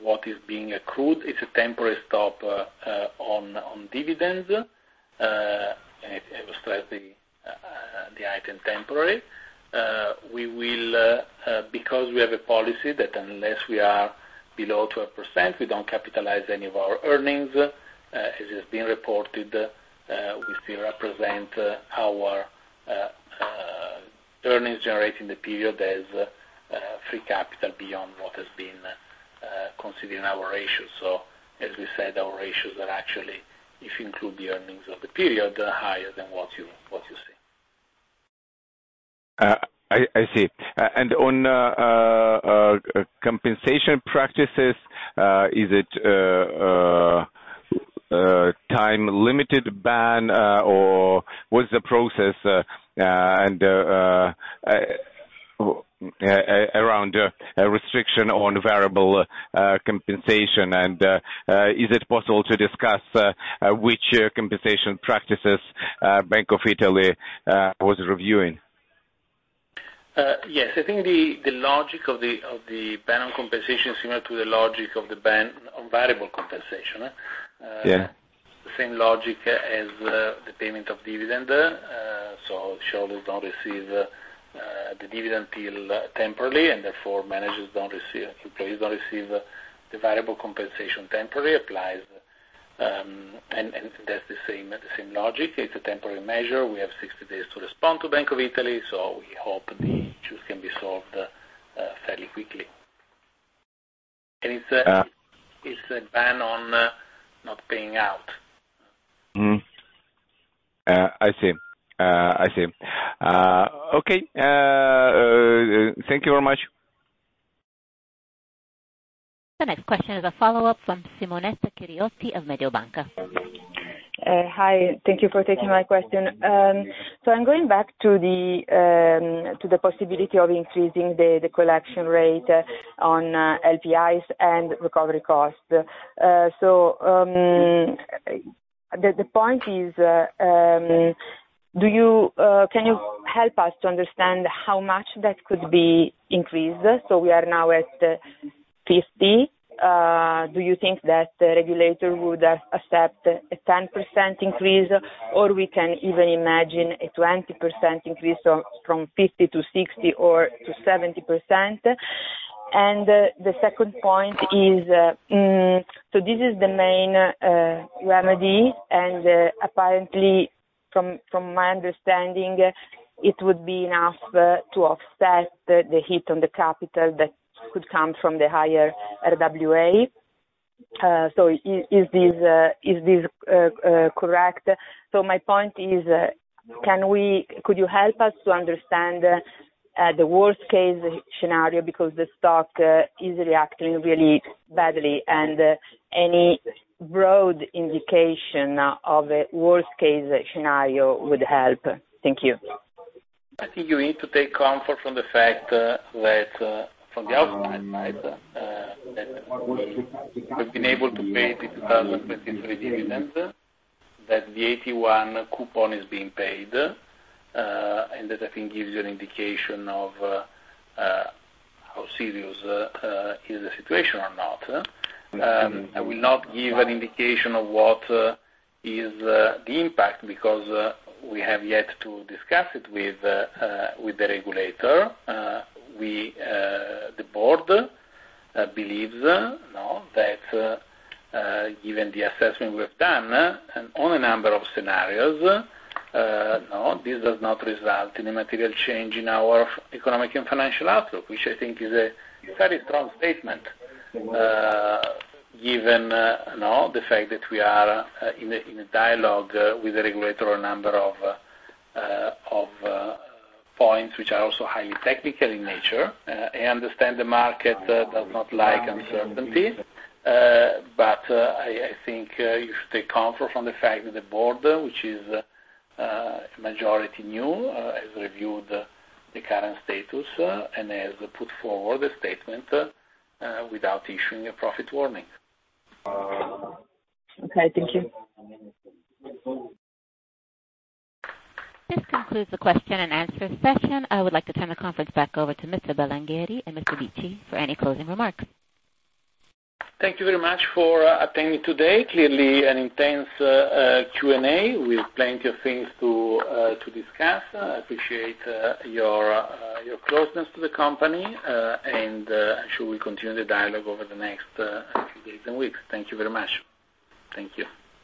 Speaker 2: What is being accrued is a temporary stop on dividends. I will stress the item temporary. Because we have a policy that unless we are below 12%, we don't capitalize any of our earnings. As it has been reported, we still represent our earnings generated in the period as free capital beyond what has been considered in our ratios. As we said, our ratios are actually, if you include the earnings of the period, higher than what you see.
Speaker 16: I see. On compensation practices, is it a time-limited ban, or what's the process around restriction on variable compensation? Is it possible to discuss which compensation practices Bank of Italy was reviewing?
Speaker 2: Yes. I think the logic of the ban on compensation is similar to the logic of the ban on variable compensation. The same logic as the payment of dividend. So shareholders don't receive the dividend till temporarily, and therefore, employees don't receive the variable compensation temporarily applies. And that's the same logic. It's a temporary measure. We have 60 days to respond to Bank of Italy. So we hope the issues can be solved fairly quickly. And it's a ban on not paying out.
Speaker 16: I see. I see. Okay. Thank you very much.
Speaker 1: The next question is a follow-up from Simonetta Chiriotti of Mediobanca.
Speaker 9: Hi. Thank you for taking my question. So I'm going back to the possibility of increasing the collection rate on LPIs and recovery costs. So the point is, can you help us to understand how much that could be increased? So we are now at 50%. Do you think that the regulator would accept a 10% increase, or we can even imagine a 20% increase from 50%-60% or to 70%? And the second point is, so this is the main remedy. And apparently, from my understanding, it would be enough to offset the heat on the capital that could come from the higher RWA. So is this correct? So my point is, could you help us to understand the worst-case scenario because the stock is reacting really badly? And any broad indication of a worst-case scenario would help. Thank you.
Speaker 2: I think you need to take comfort from the fact that from the outside, right, that we've been able to pay the 2023 dividend, that the AT1 coupon is being paid, and that I think gives you an indication of how serious is the situation or not. I will not give an indication of what is the impact because we have yet to discuss it with the regulator. The board believes that given the assessment we've done on a number of scenarios, no, this does not result in a material change in our economic and financial outlook, which I think is a fairly strong statement given the fact that we are in a dialogue with the regulator on a number of points which are also highly technical in nature. I understand the market does not like uncertainty, but I think you should take comfort from the fact that the board, which is majority new, has reviewed the current status and has put forward a statement without issuing a profit warning.
Speaker 9: Okay. Thank you.
Speaker 1: This concludes the question-and-answer session. I would like to turn the conference back over to Mr. Belingheri and Mr. Bicci for any closing remarks.
Speaker 2: Thank you very much for attending today. Clearly, an intense Q&A with plenty of things to discuss. I appreciate your closeness to the company, and I'm sure we'll continue the dialogue over the next few days and weeks. Thank you very much.
Speaker 3: Thank you.